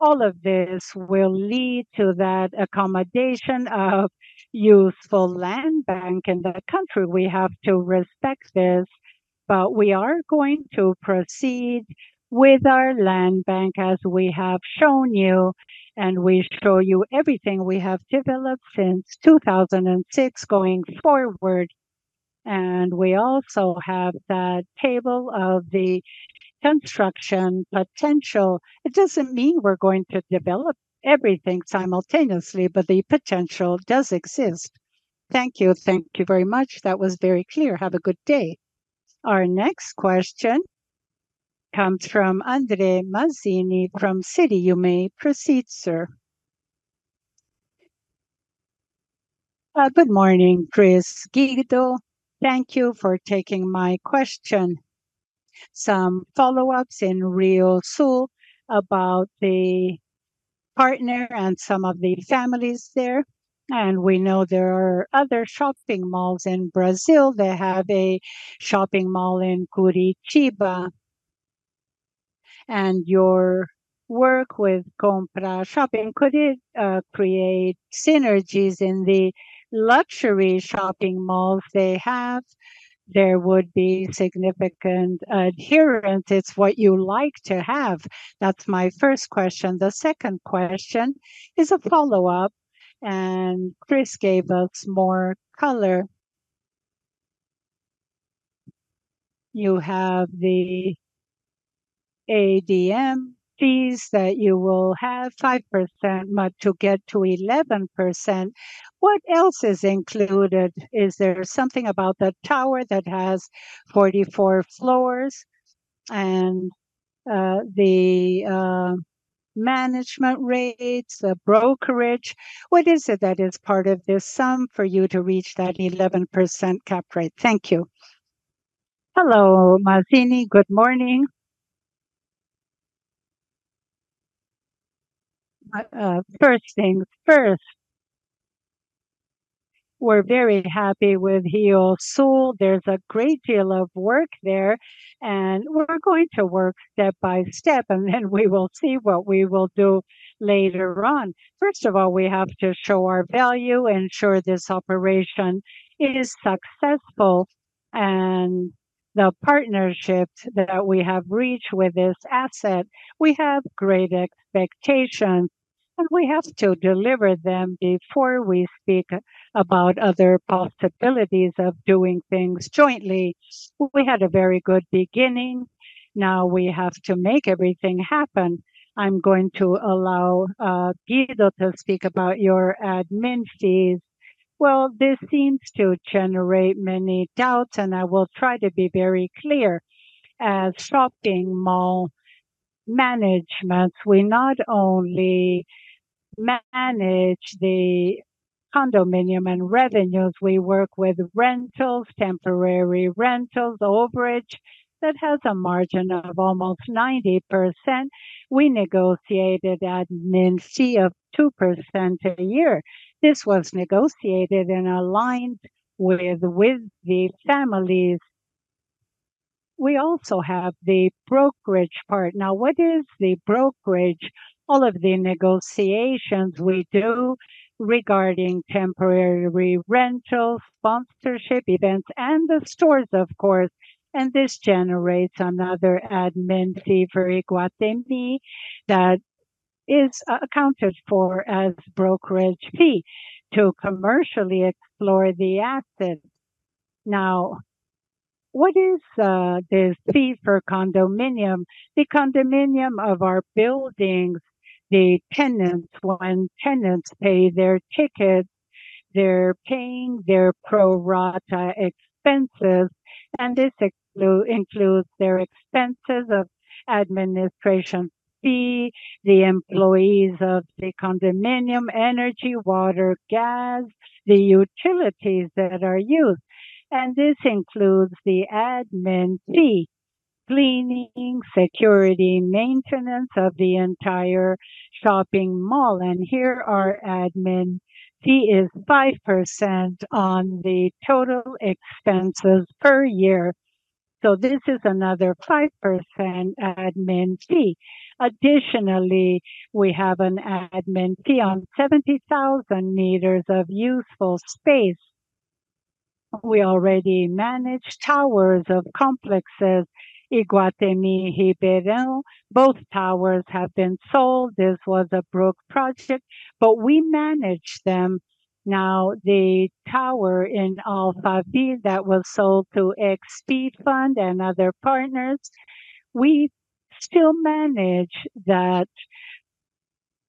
all of this will lead to that accommodation of useful land bank in the country. We have to respect this, but we are going to proceed with our land bank, as we have shown you, and we show you everything we have developed since 2006 going forward. And we also have that table of the construction potential. It doesn't mean we're going to develop everything simultaneously, but the potential does exist. Thank you. Thank you very much. That was very clear. Have a good day. Our next question comes from André Mazini, from Citi. You may proceed, sir. Good morning, Cristina, Guido. Thank you for taking my question. Some follow-ups in RioSul about the partner and some of the families there, and we know there are other shopping malls in Brazil. They have a shopping mall in Curitiba, and your work with Combrashop, could it create synergies in the luxury shopping malls they have? There would be significant adherence. It's what you like to have. That's my first question. The second question is a follow-up, and Cris gave us more color. You have the ADM fees that you will have 5%, but to get to 11%, what else is included? Is there something about that tower that has 44 floors and the management rates, the brokerage? What is it that is part of this sum for you to reach that 11% cap rate? Thank you. Hello, Mazini. Good morning. First things first, we're very happy with RioSul. There's a great deal of work there, and we're going to work step by step, and then we will see what we will do later on. First of all, we have to show our value, ensure this operation is successful, and the partnership that we have reached with this asset, we have great expectations. And we have to deliver them before we speak about other possibilities of doing things jointly. We had a very good beginning, now we have to make everything happen. I'm going to allow Guido to speak about your admin fees. Well, this seems to generate many doubts, and I will try to be very clear. As shopping mall management, we not only manage the condominium and revenues, we work with rentals, temporary rentals, overage that has a margin of almost 90%. We negotiated admin fee of 2% a year. This was negotiated and aligned with the families. We also have the brokerage part. Now, what is the brokerage? All of the negotiations we do regarding temporary rentals, sponsorship, events, and the stores, of course, and this generates another admin fee for Iguatemi that is accounted for as brokerage fee to commercially explore the assets. Now, what is this fee for condominium? The condominium of our buildings, the tenants, when tenants pay their tickets, they're paying their pro rata expenses, and this includes their expenses of administration fee, the employees of the condominium, energy, water, gas, the utilities that are used, and this includes the admin fee, cleaning, security, maintenance of the entire shopping mall. And here, our admin fee is 5% on the total expenses per year, so this is another 5% admin fee. Additionally, we have an admin fee on 70,000 meters of useful space. We already manage towers of complexes, Iguatemi Ribeirão. Both towers have been sold. This was a Brookfield project, but we manage them. Now, the tower in Alphaville that was sold to XP Fund and other partners, we still manage that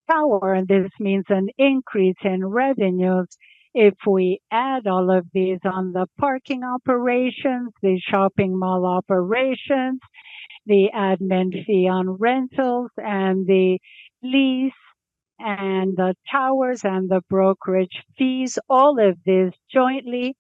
tower, and this means an increase in revenues. If we add all of these on the parking operations, the shopping mall operations, the admin fee on rentals, and the lease, and the towers, and the brokerage fees, all of this jointly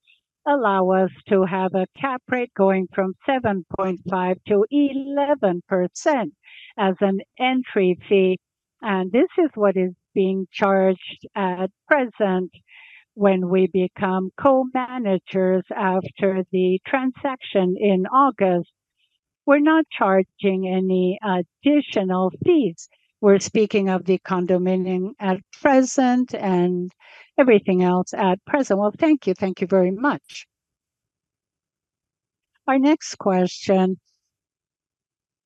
allow us to have a cap rate going from 7.5%-11% as an entry fee. And this is what is being charged at present when we become co-managers after the transaction in August. We're not charging any additional fees. We're speaking of the condominium at present and everything else at present. Well, thank you. Thank you very much. Our next question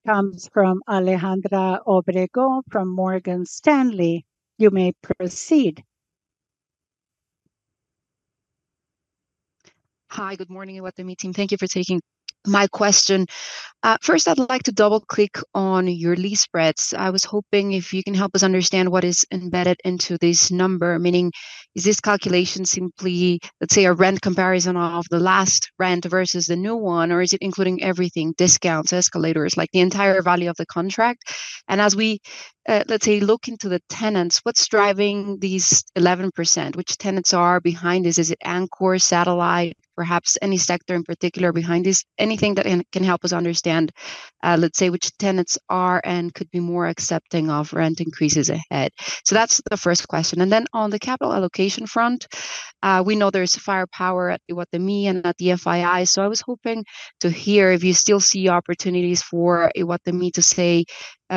comes from Alejandra Obregon from Morgan Stanley. You may proceed. Hi, good morning, Iguatemi team. Thank you for taking my question. First, I'd like to double-click on your lease spreads. I was hoping if you can help us understand what is embedded into this number, meaning, is this calculation simply, let's say, a rent comparison of the last rent versus the new one, or is it including everything, discounts, escalators, like, the entire value of the contract? And as we, let's say, look into the tenants, what's driving these 11%? Which tenants are behind this? Is it anchor, satellite, perhaps any sector in particular behind this? Anything that can, can help us understand, let's say, which tenants are and could be more accepting of rent increases ahead. So that's the first question. And then on the capital allocation front, we know there's firepower at Iguatemi and at the FII, so I was hoping to hear if you still see opportunities for Iguatemi to, say,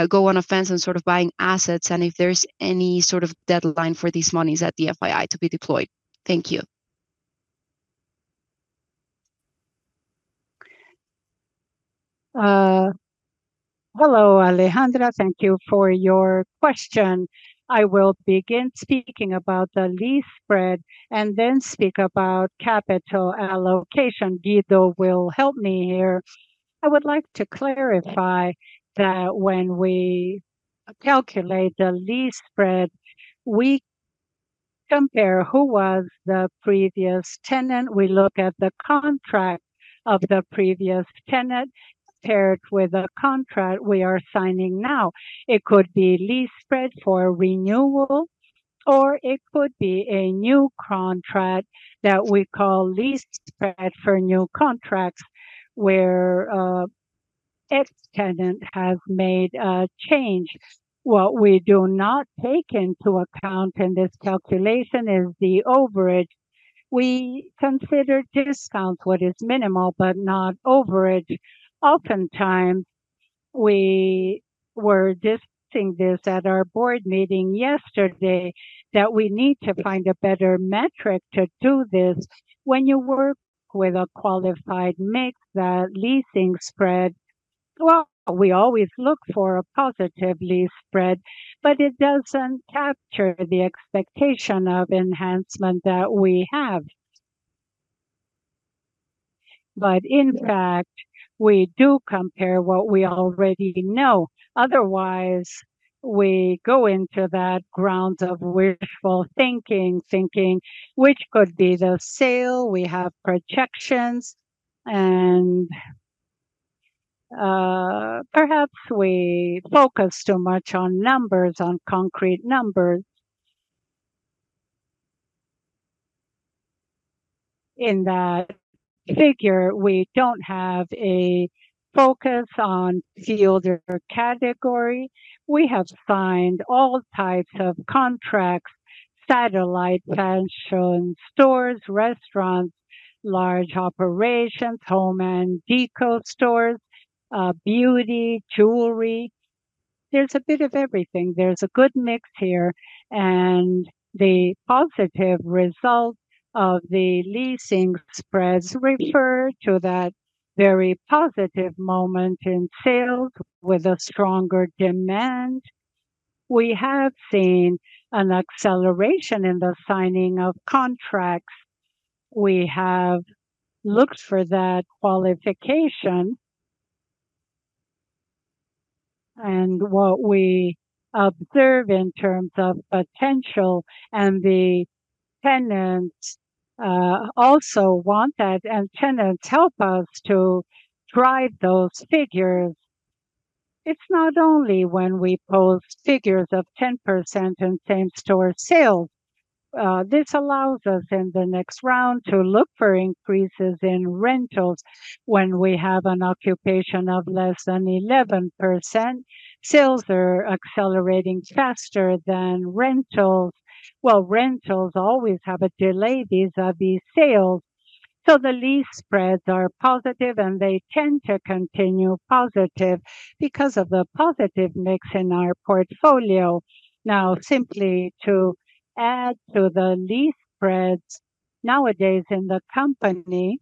go on offense and sort of buying assets, and if there's any sort of deadline for these monies at the FII to be deployed. Thank you. Hello, Alejandra. Thank you for your question. I will begin speaking about the lease spread and then speak about capital allocation. Guido will help me here. I would like to clarify that when we calculate the lease spread, we compare who was the previous tenant. We look at the contract of the previous tenant, paired with the contract we are signing now. It could be lease spread for renewal, or it could be a new contract that we call lease spread for new contracts, where ex-tenant has made a change. What we do not take into account in this calculation is the overage. We consider discounts, what is minimal, but not overage. Oftentimes, we were discussing this at our board meeting yesterday, that we need to find a better metric to do this. When you work with a qualified mix, the leasing spread well, we always look for a positively spread, but it doesn't capture the expectation of enhancement that we have. But in fact, we do compare what we already know. Otherwise, we go into that grounds of wishful thinking, thinking which could be the sale, we have projections, and, perhaps we focus too much on numbers, on concrete numbers. In that figure, we don't have a focus on field or category. We have signed all types of contracts, satellite, fashion, stores, restaurants, large operations, home and decor stores, beauty, jewelry. There's a bit of everything. There's a good mix here, and the positive result of the leasing spreads refer to that very positive moment in sales with a stronger demand. We have seen an acceleration in the signing of contracts. We have looked for that qualification, and what we observe in terms of potential, and the tenants also want that, and tenants help us to drive those figures. It's not only when we post figures of 10% in same-store sales. This allows us in the next round to look for increases in rentals when we have an occupation of less than 11%. Sales are accelerating faster than rentals. Well, rentals always have a delay, these are the sales. So the lease spreads are positive, and they tend to continue positive because of the positive mix in our portfolio. Now, simply to add to the lease spreads, nowadays in the company,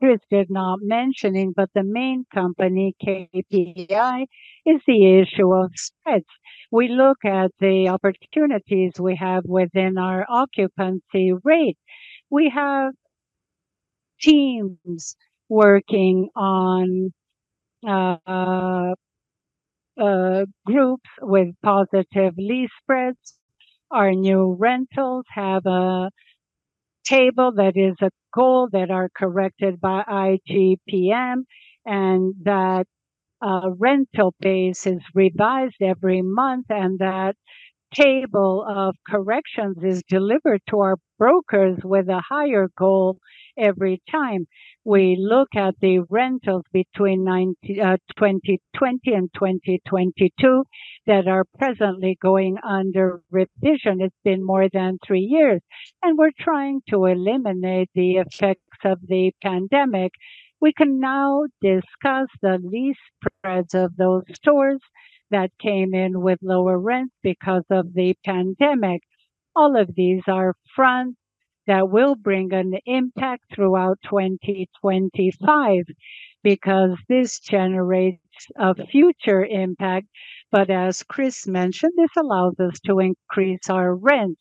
Cris did not mentioning, but the main company KPI is the issue of spreads. We look at the opportunities we have within our occupancy rate. We have teams working on groups with positive lease spreads. Our new rentals have a table that is a goal that are corrected by IGP-M, and that rental base is revised every month, and that table of corrections is delivered to our brokers with a higher goal every time. We look at the rentals between 2020 and 2022, that are presently going under revision. It's been more than three years, and we're trying to eliminate the effects of the pandemic. We can now discuss the lease spreads of those stores that came in with lower rents because of the pandemic. All of these are fronts that will bring an impact throughout 2025 because this generates a future impact. But as Cris mentioned, this allows us to increase our rent.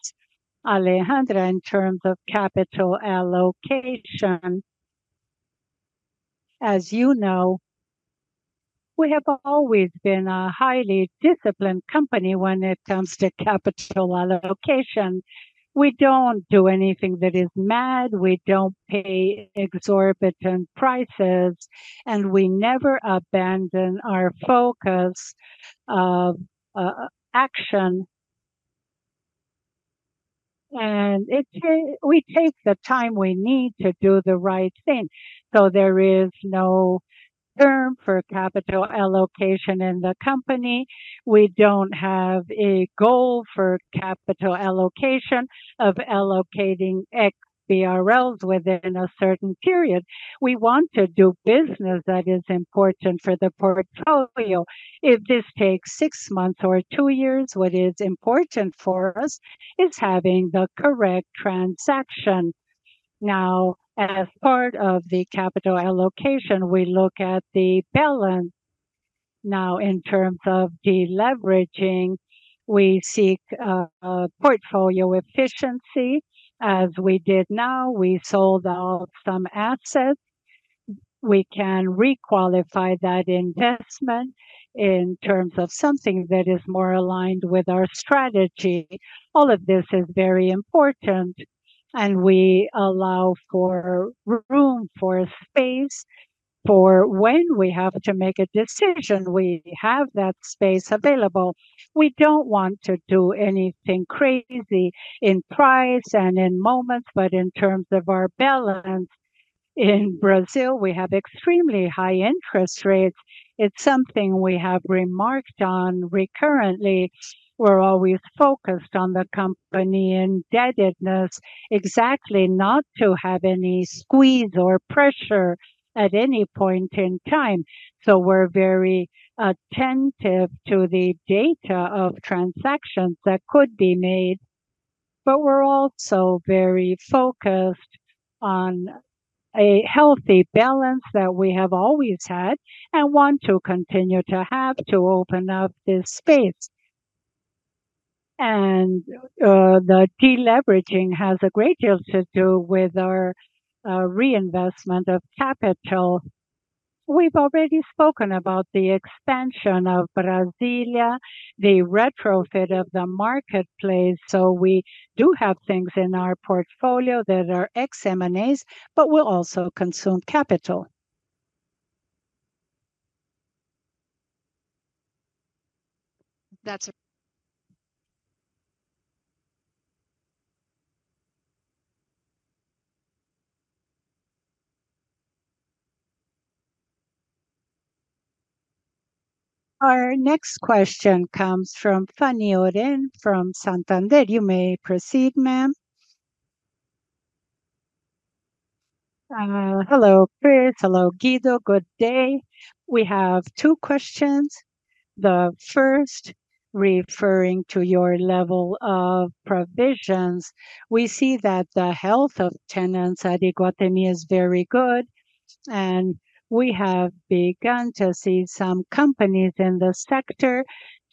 Alejandra, in terms of capital allocation, as you know, we have always been a highly disciplined company when it comes to capital allocation. We don't do anything that is mad, we don't pay exorbitant prices, and we never abandon our focus of action, we take the time we need to do the right thing. So there is no term for capital allocation in the company. We don't have a goal for capital allocation of allocating X BRLs within a certain period. We want to do business that is important for the portfolio. If this takes six months or two years, what is important for us is having the correct transaction. Now, as part of the capital allocation, we look at the balance. Now, in terms of deleveraging, we seek portfolio efficiency. As we did now, we sold out some assets. We can requalify that investment in terms of something that is more aligned with our strategy. All of this is very important, and we allow for room, for space, for when we have to make a decision, we have that space available. We don't want to do anything crazy in price and in moments, but in terms of our balance. In Brazil, we have extremely high interest rates. It's something we have remarked on recurrently. We're always focused on the company indebtedness, exactly not to have any squeeze or pressure at any point in time. So we're very attentive to the data of transactions that could be made but we're also very focused on a healthy balance that we have always had, and want to continue to have to open up this space. And, the deleveraging has a great deal to do with our reinvestment of capital. We've already spoken about the expansion of Brasília, the retrofit of the Market Place, so we do have things in our portfolio that are ex M&As, but will also consume capital. That's. Our next question comes from Fanny Oreng from Santander. You may proceed, ma'am. Hello, Cris. Hello, Guido. Good day. We have two questions. The first, referring to your level of provisions. We see that the health of tenants at Iguatemi is very good, and we have begun to see some companies in the sector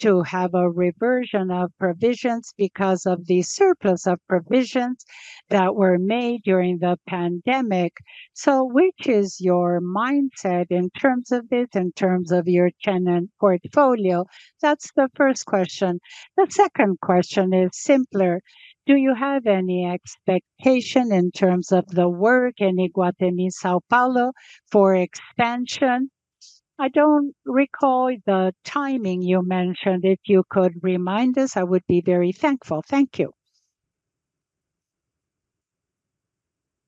to have a reversion of provisions because of the surplus of provisions that were made during the pandemic. So which is your mindset in terms of it, in terms of your tenant portfolio? That's the first question. The second question is simpler. Do you have any expectation in terms of the work in Iguatemi São Paulo for expansion? I don't recall the timing you mentioned. If you could remind us, I would be very thankful. Thank you.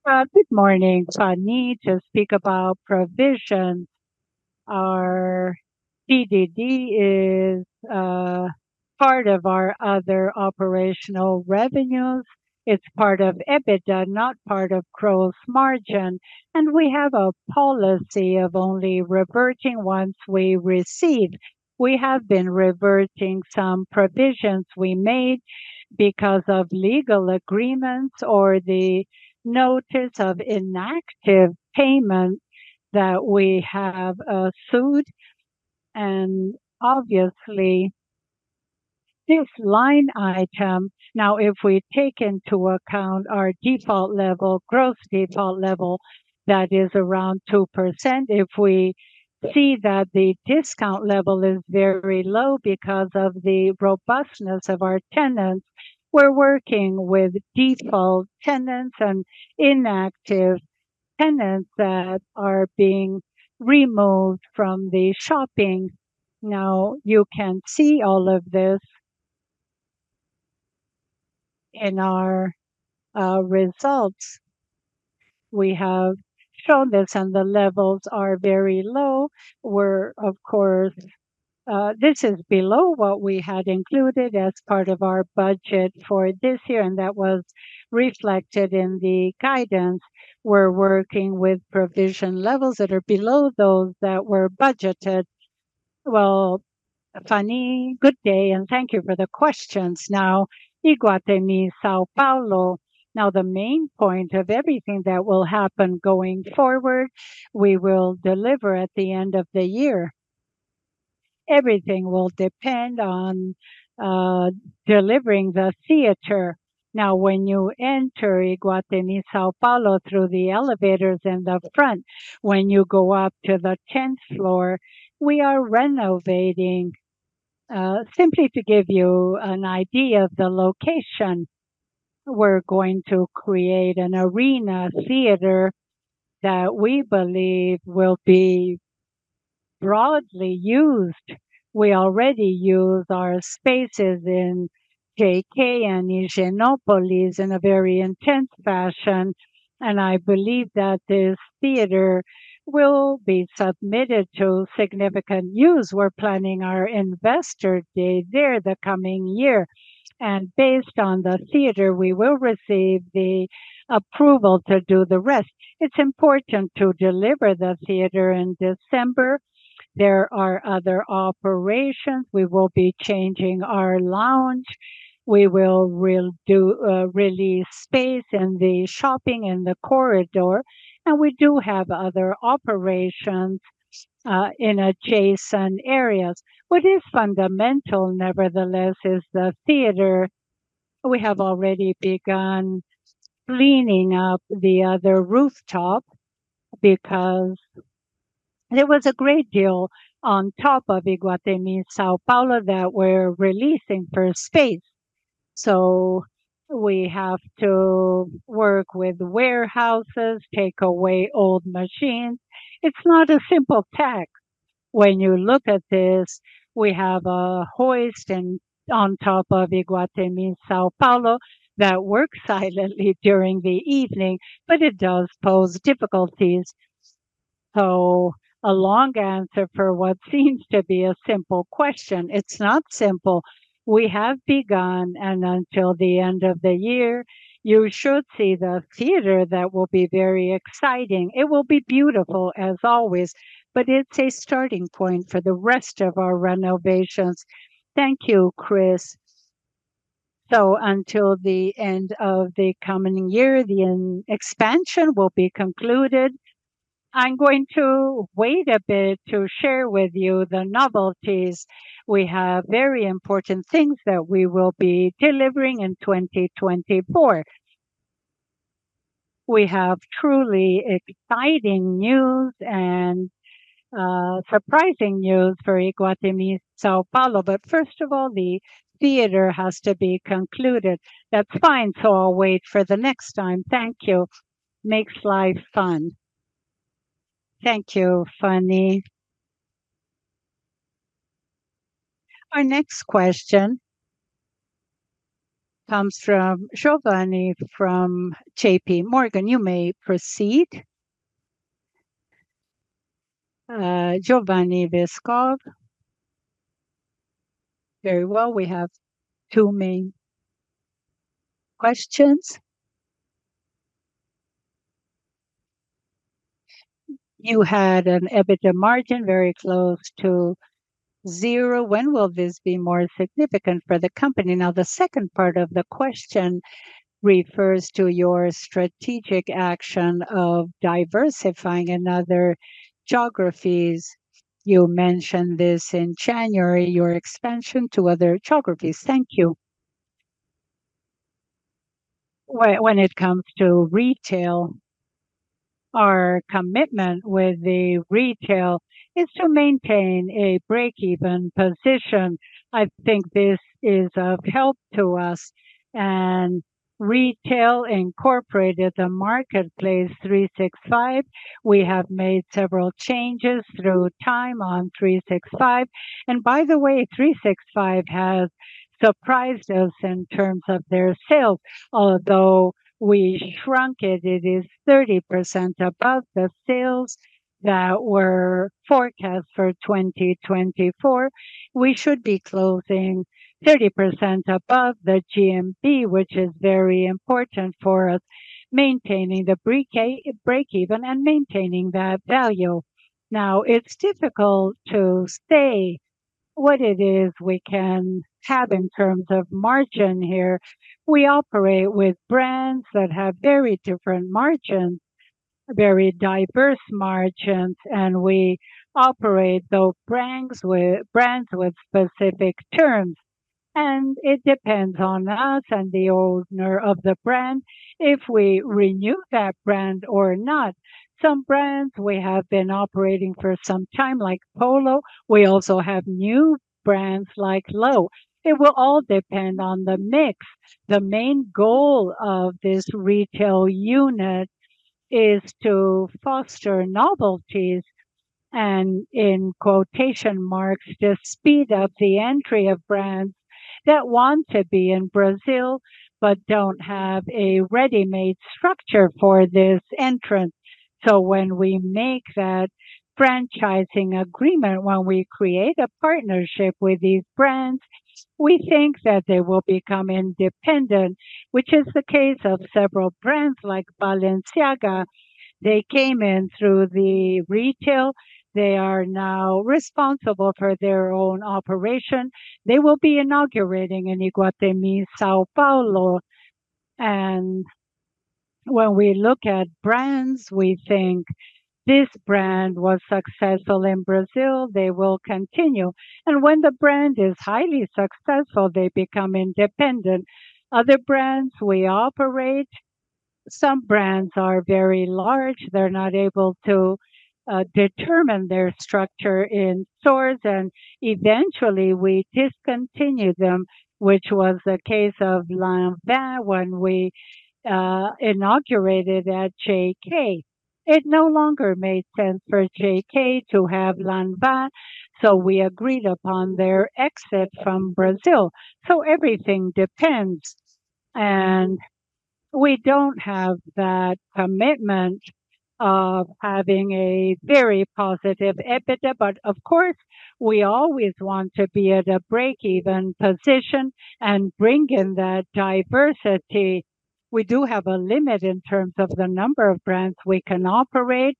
Good morning, Fanny. To speak about provisions, our PDD is part of our other operational revenues. It's part of EBITDA, not part of gross margin, and we have a policy of only reverting once we receive. We have been reverting some provisions we made because of legal agreements or the notice of inactive payments that we have sued, and obviously, this line item. Now, if we take into account our default level, gross default level, that is around 2%. If we see that the discount level is very low because of the robustness of our tenants, we're working with default tenants and inactive tenants that are being removed from the shopping. Now, you can see all of this in our results. We have shown this, and the levels are very low, where, of course, this is below what we had included as part of our budget for this year, and that was reflected in the guidance. We're working with provision levels that are below those that were budgeted. Well, Fanny, good day, and thank you for the questions. Now, Iguatemi São Paulo. Now, the main point of everything that will happen going forward, we will deliver at the end of the year. Everything will depend on delivering the theater. Now, when you enter Iguatemi São Paulo through the elevators in the front, when you go up to the tenth floor, we are renovating. Simply to give you an idea of the location, we're going to create an arena theater that we believe will be broadly used. We already use our spaces in JK and in Higienópolis in a very intense fashion, and I believe that this theater will be submitted to significant use. We're planning our Investor Day there the coming year, and based on the theater, we will receive the approval to do the rest. It's important to deliver the theater in December. There are other operations. We will be changing our lounge. We will redo release space in the shopping in the corridor, and we do have other operations in adjacent areas. What is fundamental, nevertheless, is the theater. We have already begun cleaning up the other rooftop because there was a great deal on top of Iguatemi São Paulo that we're releasing for space. So we have to work with warehouses, take away old machines. It's not a simple task. When you look at this, we have a hoist on top of Iguatemi São Paulo that works silently during the evening, but it does pose difficulties. So a long answer for what seems to be a simple question. It's not simple. We have begun, and until the end of the year, you should see the theater. That will be very exciting. It will be beautiful as always, but it's a starting point for the rest of our renovations. Thank you, Cris. So until the end of the coming year, the expansion will be concluded. I'm going to wait a bit to share with you the novelties. We have very important things that we will be delivering in 2024. We have truly exciting news and surprising news for Iguatemi São Paulo. But first of all, the theater has to be concluded. That's fine, so I'll wait for the next time. Thank you. Makes life fun. Thank you, Fanny. Our next question comes from Giovanni from JP Morgan. You may proceed. Giovanni Vescovi. Very well, we have two main questions. You had an EBITDA margin very close to zero. When will this be more significant for the company? Now, the second part of the question refers to your strategic action of diversifying in other geographies. You mentioned this in January, your expansion to other geographies. Thank you. When, when it comes to retail, our commitment with the retail is to maintain a break-even position. I think this is of help to us and retail incorporated the marketplace 365. We have made several changes through time on 365. And by the way, 365 has surprised us in terms of their sales. Although we shrunk it, it is 30% above the sales that were forecast for 2024. We should be closing 30% above the GMV, which is very important for us, maintaining the break even and maintaining that value. Now, it's difficult to say what it is we can have in terms of margin here. We operate with brands that have very different margins, very diverse margins, and we operate those brands with brands with specific terms. It depends on us and the owner of the brand, if we renew that brand or not. Some brands we have been operating for some time, like Polo, we also have new brands like Loewe. It will all depend on the mix. The main goal of this retail unit is to foster novelties, and in quotation marks, "To speed up the entry of brands that want to be in Brazil but don't have a ready-made structure for this entrance." So when we make that franchising agreement, when we create a partnership with these brands, we think that they will become independent, which is the case of several brands like Balenciaga. They came in through the retail. They are now responsible for their own operation. They will be inaugurating in Iguatemi São Paulo. And when we look at brands, we think this brand was successful in Brazil, they will continue. And when the brand is highly successful, they become independent. Other brands we operate, some brands are very large, they're not able to determine their structure in stores, and eventually, we discontinue them, which was the case of Lanvin when we inaugurated at JK. It no longer made sense for JK to have Lanvin, so we agreed upon their exit from Brazil. So everything depends, and we don't have that commitment of having a very positive EBITDA, but of course, we always want to be at a break-even position and bring in that diversity. We do have a limit in terms of the number of brands we can operate.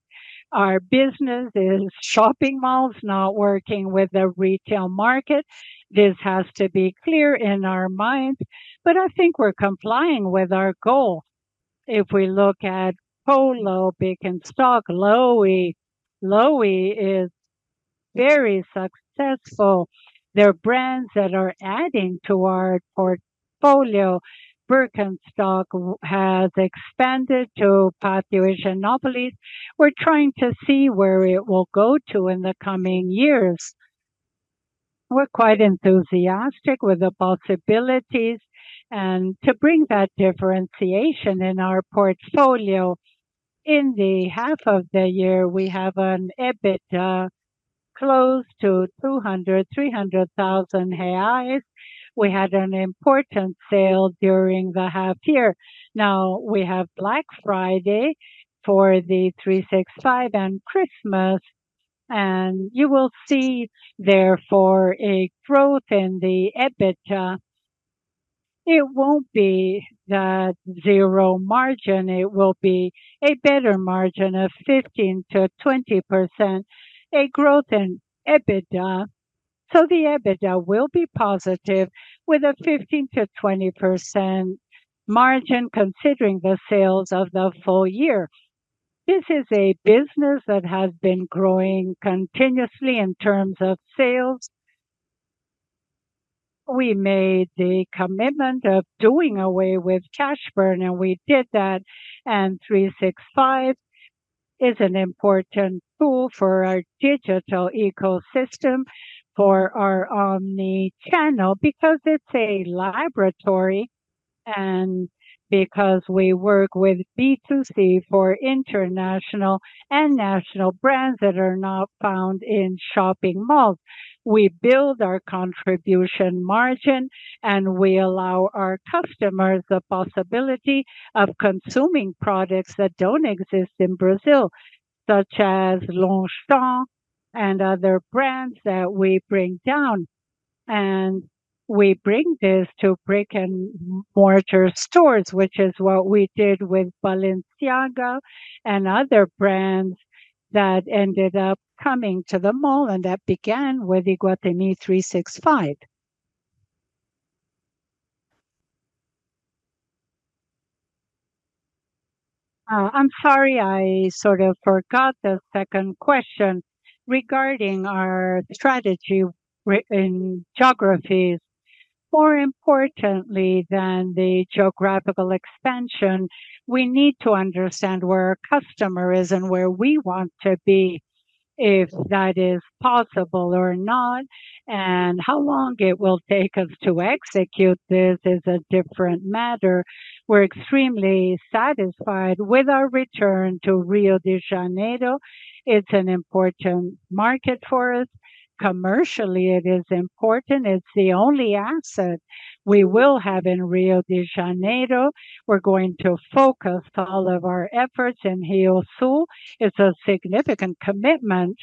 Our business is shopping malls, not working with the retail market. This has to be clear in our minds, but I think we're complying with our goal. If we look at Polo, Birkenstock, Loewe, Loewe is very successful. They're brands that are adding to our portfolio. Birkenstock has expanded to Pátio Higienópolis. We're trying to see where it will go to in the coming years. We're quite enthusiastic with the possibilities and to bring that differentiation in our portfolio. In the half of the year, we have an EBITDA close to 200,000-300,000 reais. We had an important sale during the half year. Now, we have Black Friday for the 365 and Christmas, and you will see, therefore, a growth in the EBITDA. It won't be the zero margin, it will be a better margin of 15%-20%, a growth in EBITDA. So the EBITDA will be positive with a 15%-20% margin, considering the sales of the full year. This is a business that has been growing continuously in terms of sales. We made the commitment of doing away with cash burn, and we did that, and 365 is an important tool for our digital ecosystem, for our omni-channel, because it's a laboratory and because we work with B2C for international and national brands that are not found in shopping malls. We build our contribution margin, and we allow our customers the possibility of consuming products that don't exist in Brazil, such as Longchamp and other brands that we bring down. And we bring this to brick-and-mortar stores, which is what we did with Balenciaga and other brands that ended up coming to the mall, and that began with Iguatemi 365. I'm sorry, I sort of forgot the second question. Regarding our strategy in geographies. More importantly than the geographical expansion, we need to understand where our customer is and where we want to be, if that is possible or not, and how long it will take us to execute this is a different matter. We're extremely satisfied with our return to Rio de Janeiro. It's an important market for us. Commercially, it is important. It's the only asset we will have in Rio de Janeiro. We're going to focus all of our efforts in RioSul. It's a significant commitment,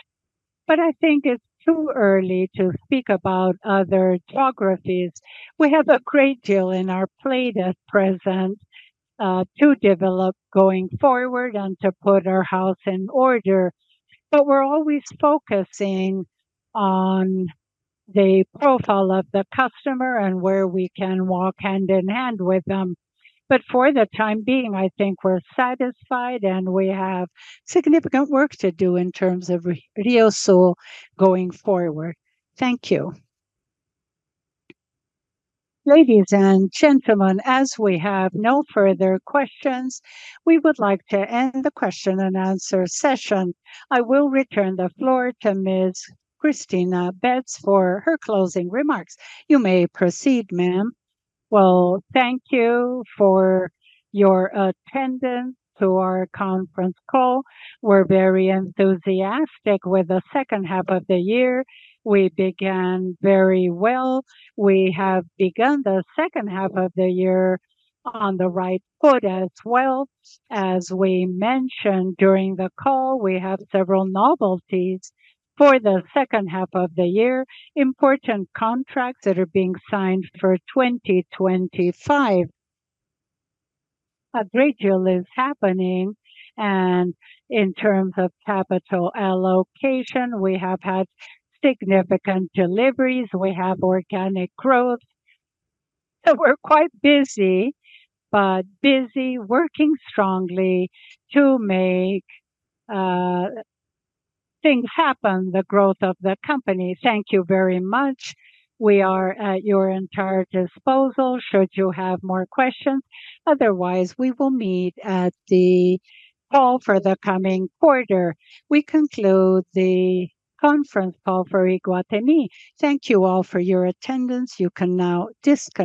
but I think it's too early to speak about other geographies. We have a great deal on our plate at present to develop going forward and to put our house in order. But we're always focusing on the profile of the customer and where we can walk hand in hand with them. But for the time being, I think we're satisfied, and we have significant work to do in terms of RioSul going forward. Thank you. Ladies and gentlemen, as we have no further questions, we would like to end the question and answer session. I will return the floor to Ms. Cristina Betts for her closing remarks. You may proceed, ma'am. Well, thank you for your attendance to our conference call. We're very enthusiastic with the second half of the year. We began very well. We have begun the second half of the year on the right foot as well. As we mentioned during the call, we have several novelties for the second half of the year, important contracts that are being signed for 2025. A great deal is happening, and in terms of capital allocation, we have had significant deliveries, we have organic growth. So we're quite busy, but busy working strongly to make things happen, the growth of the company. Thank you very much. We are at your entire disposal should you have more questions. Otherwise, we will meet at the call for the coming quarter. We conclude the conference call for Iguatemi. Thank you all for your attendance. You can now dis-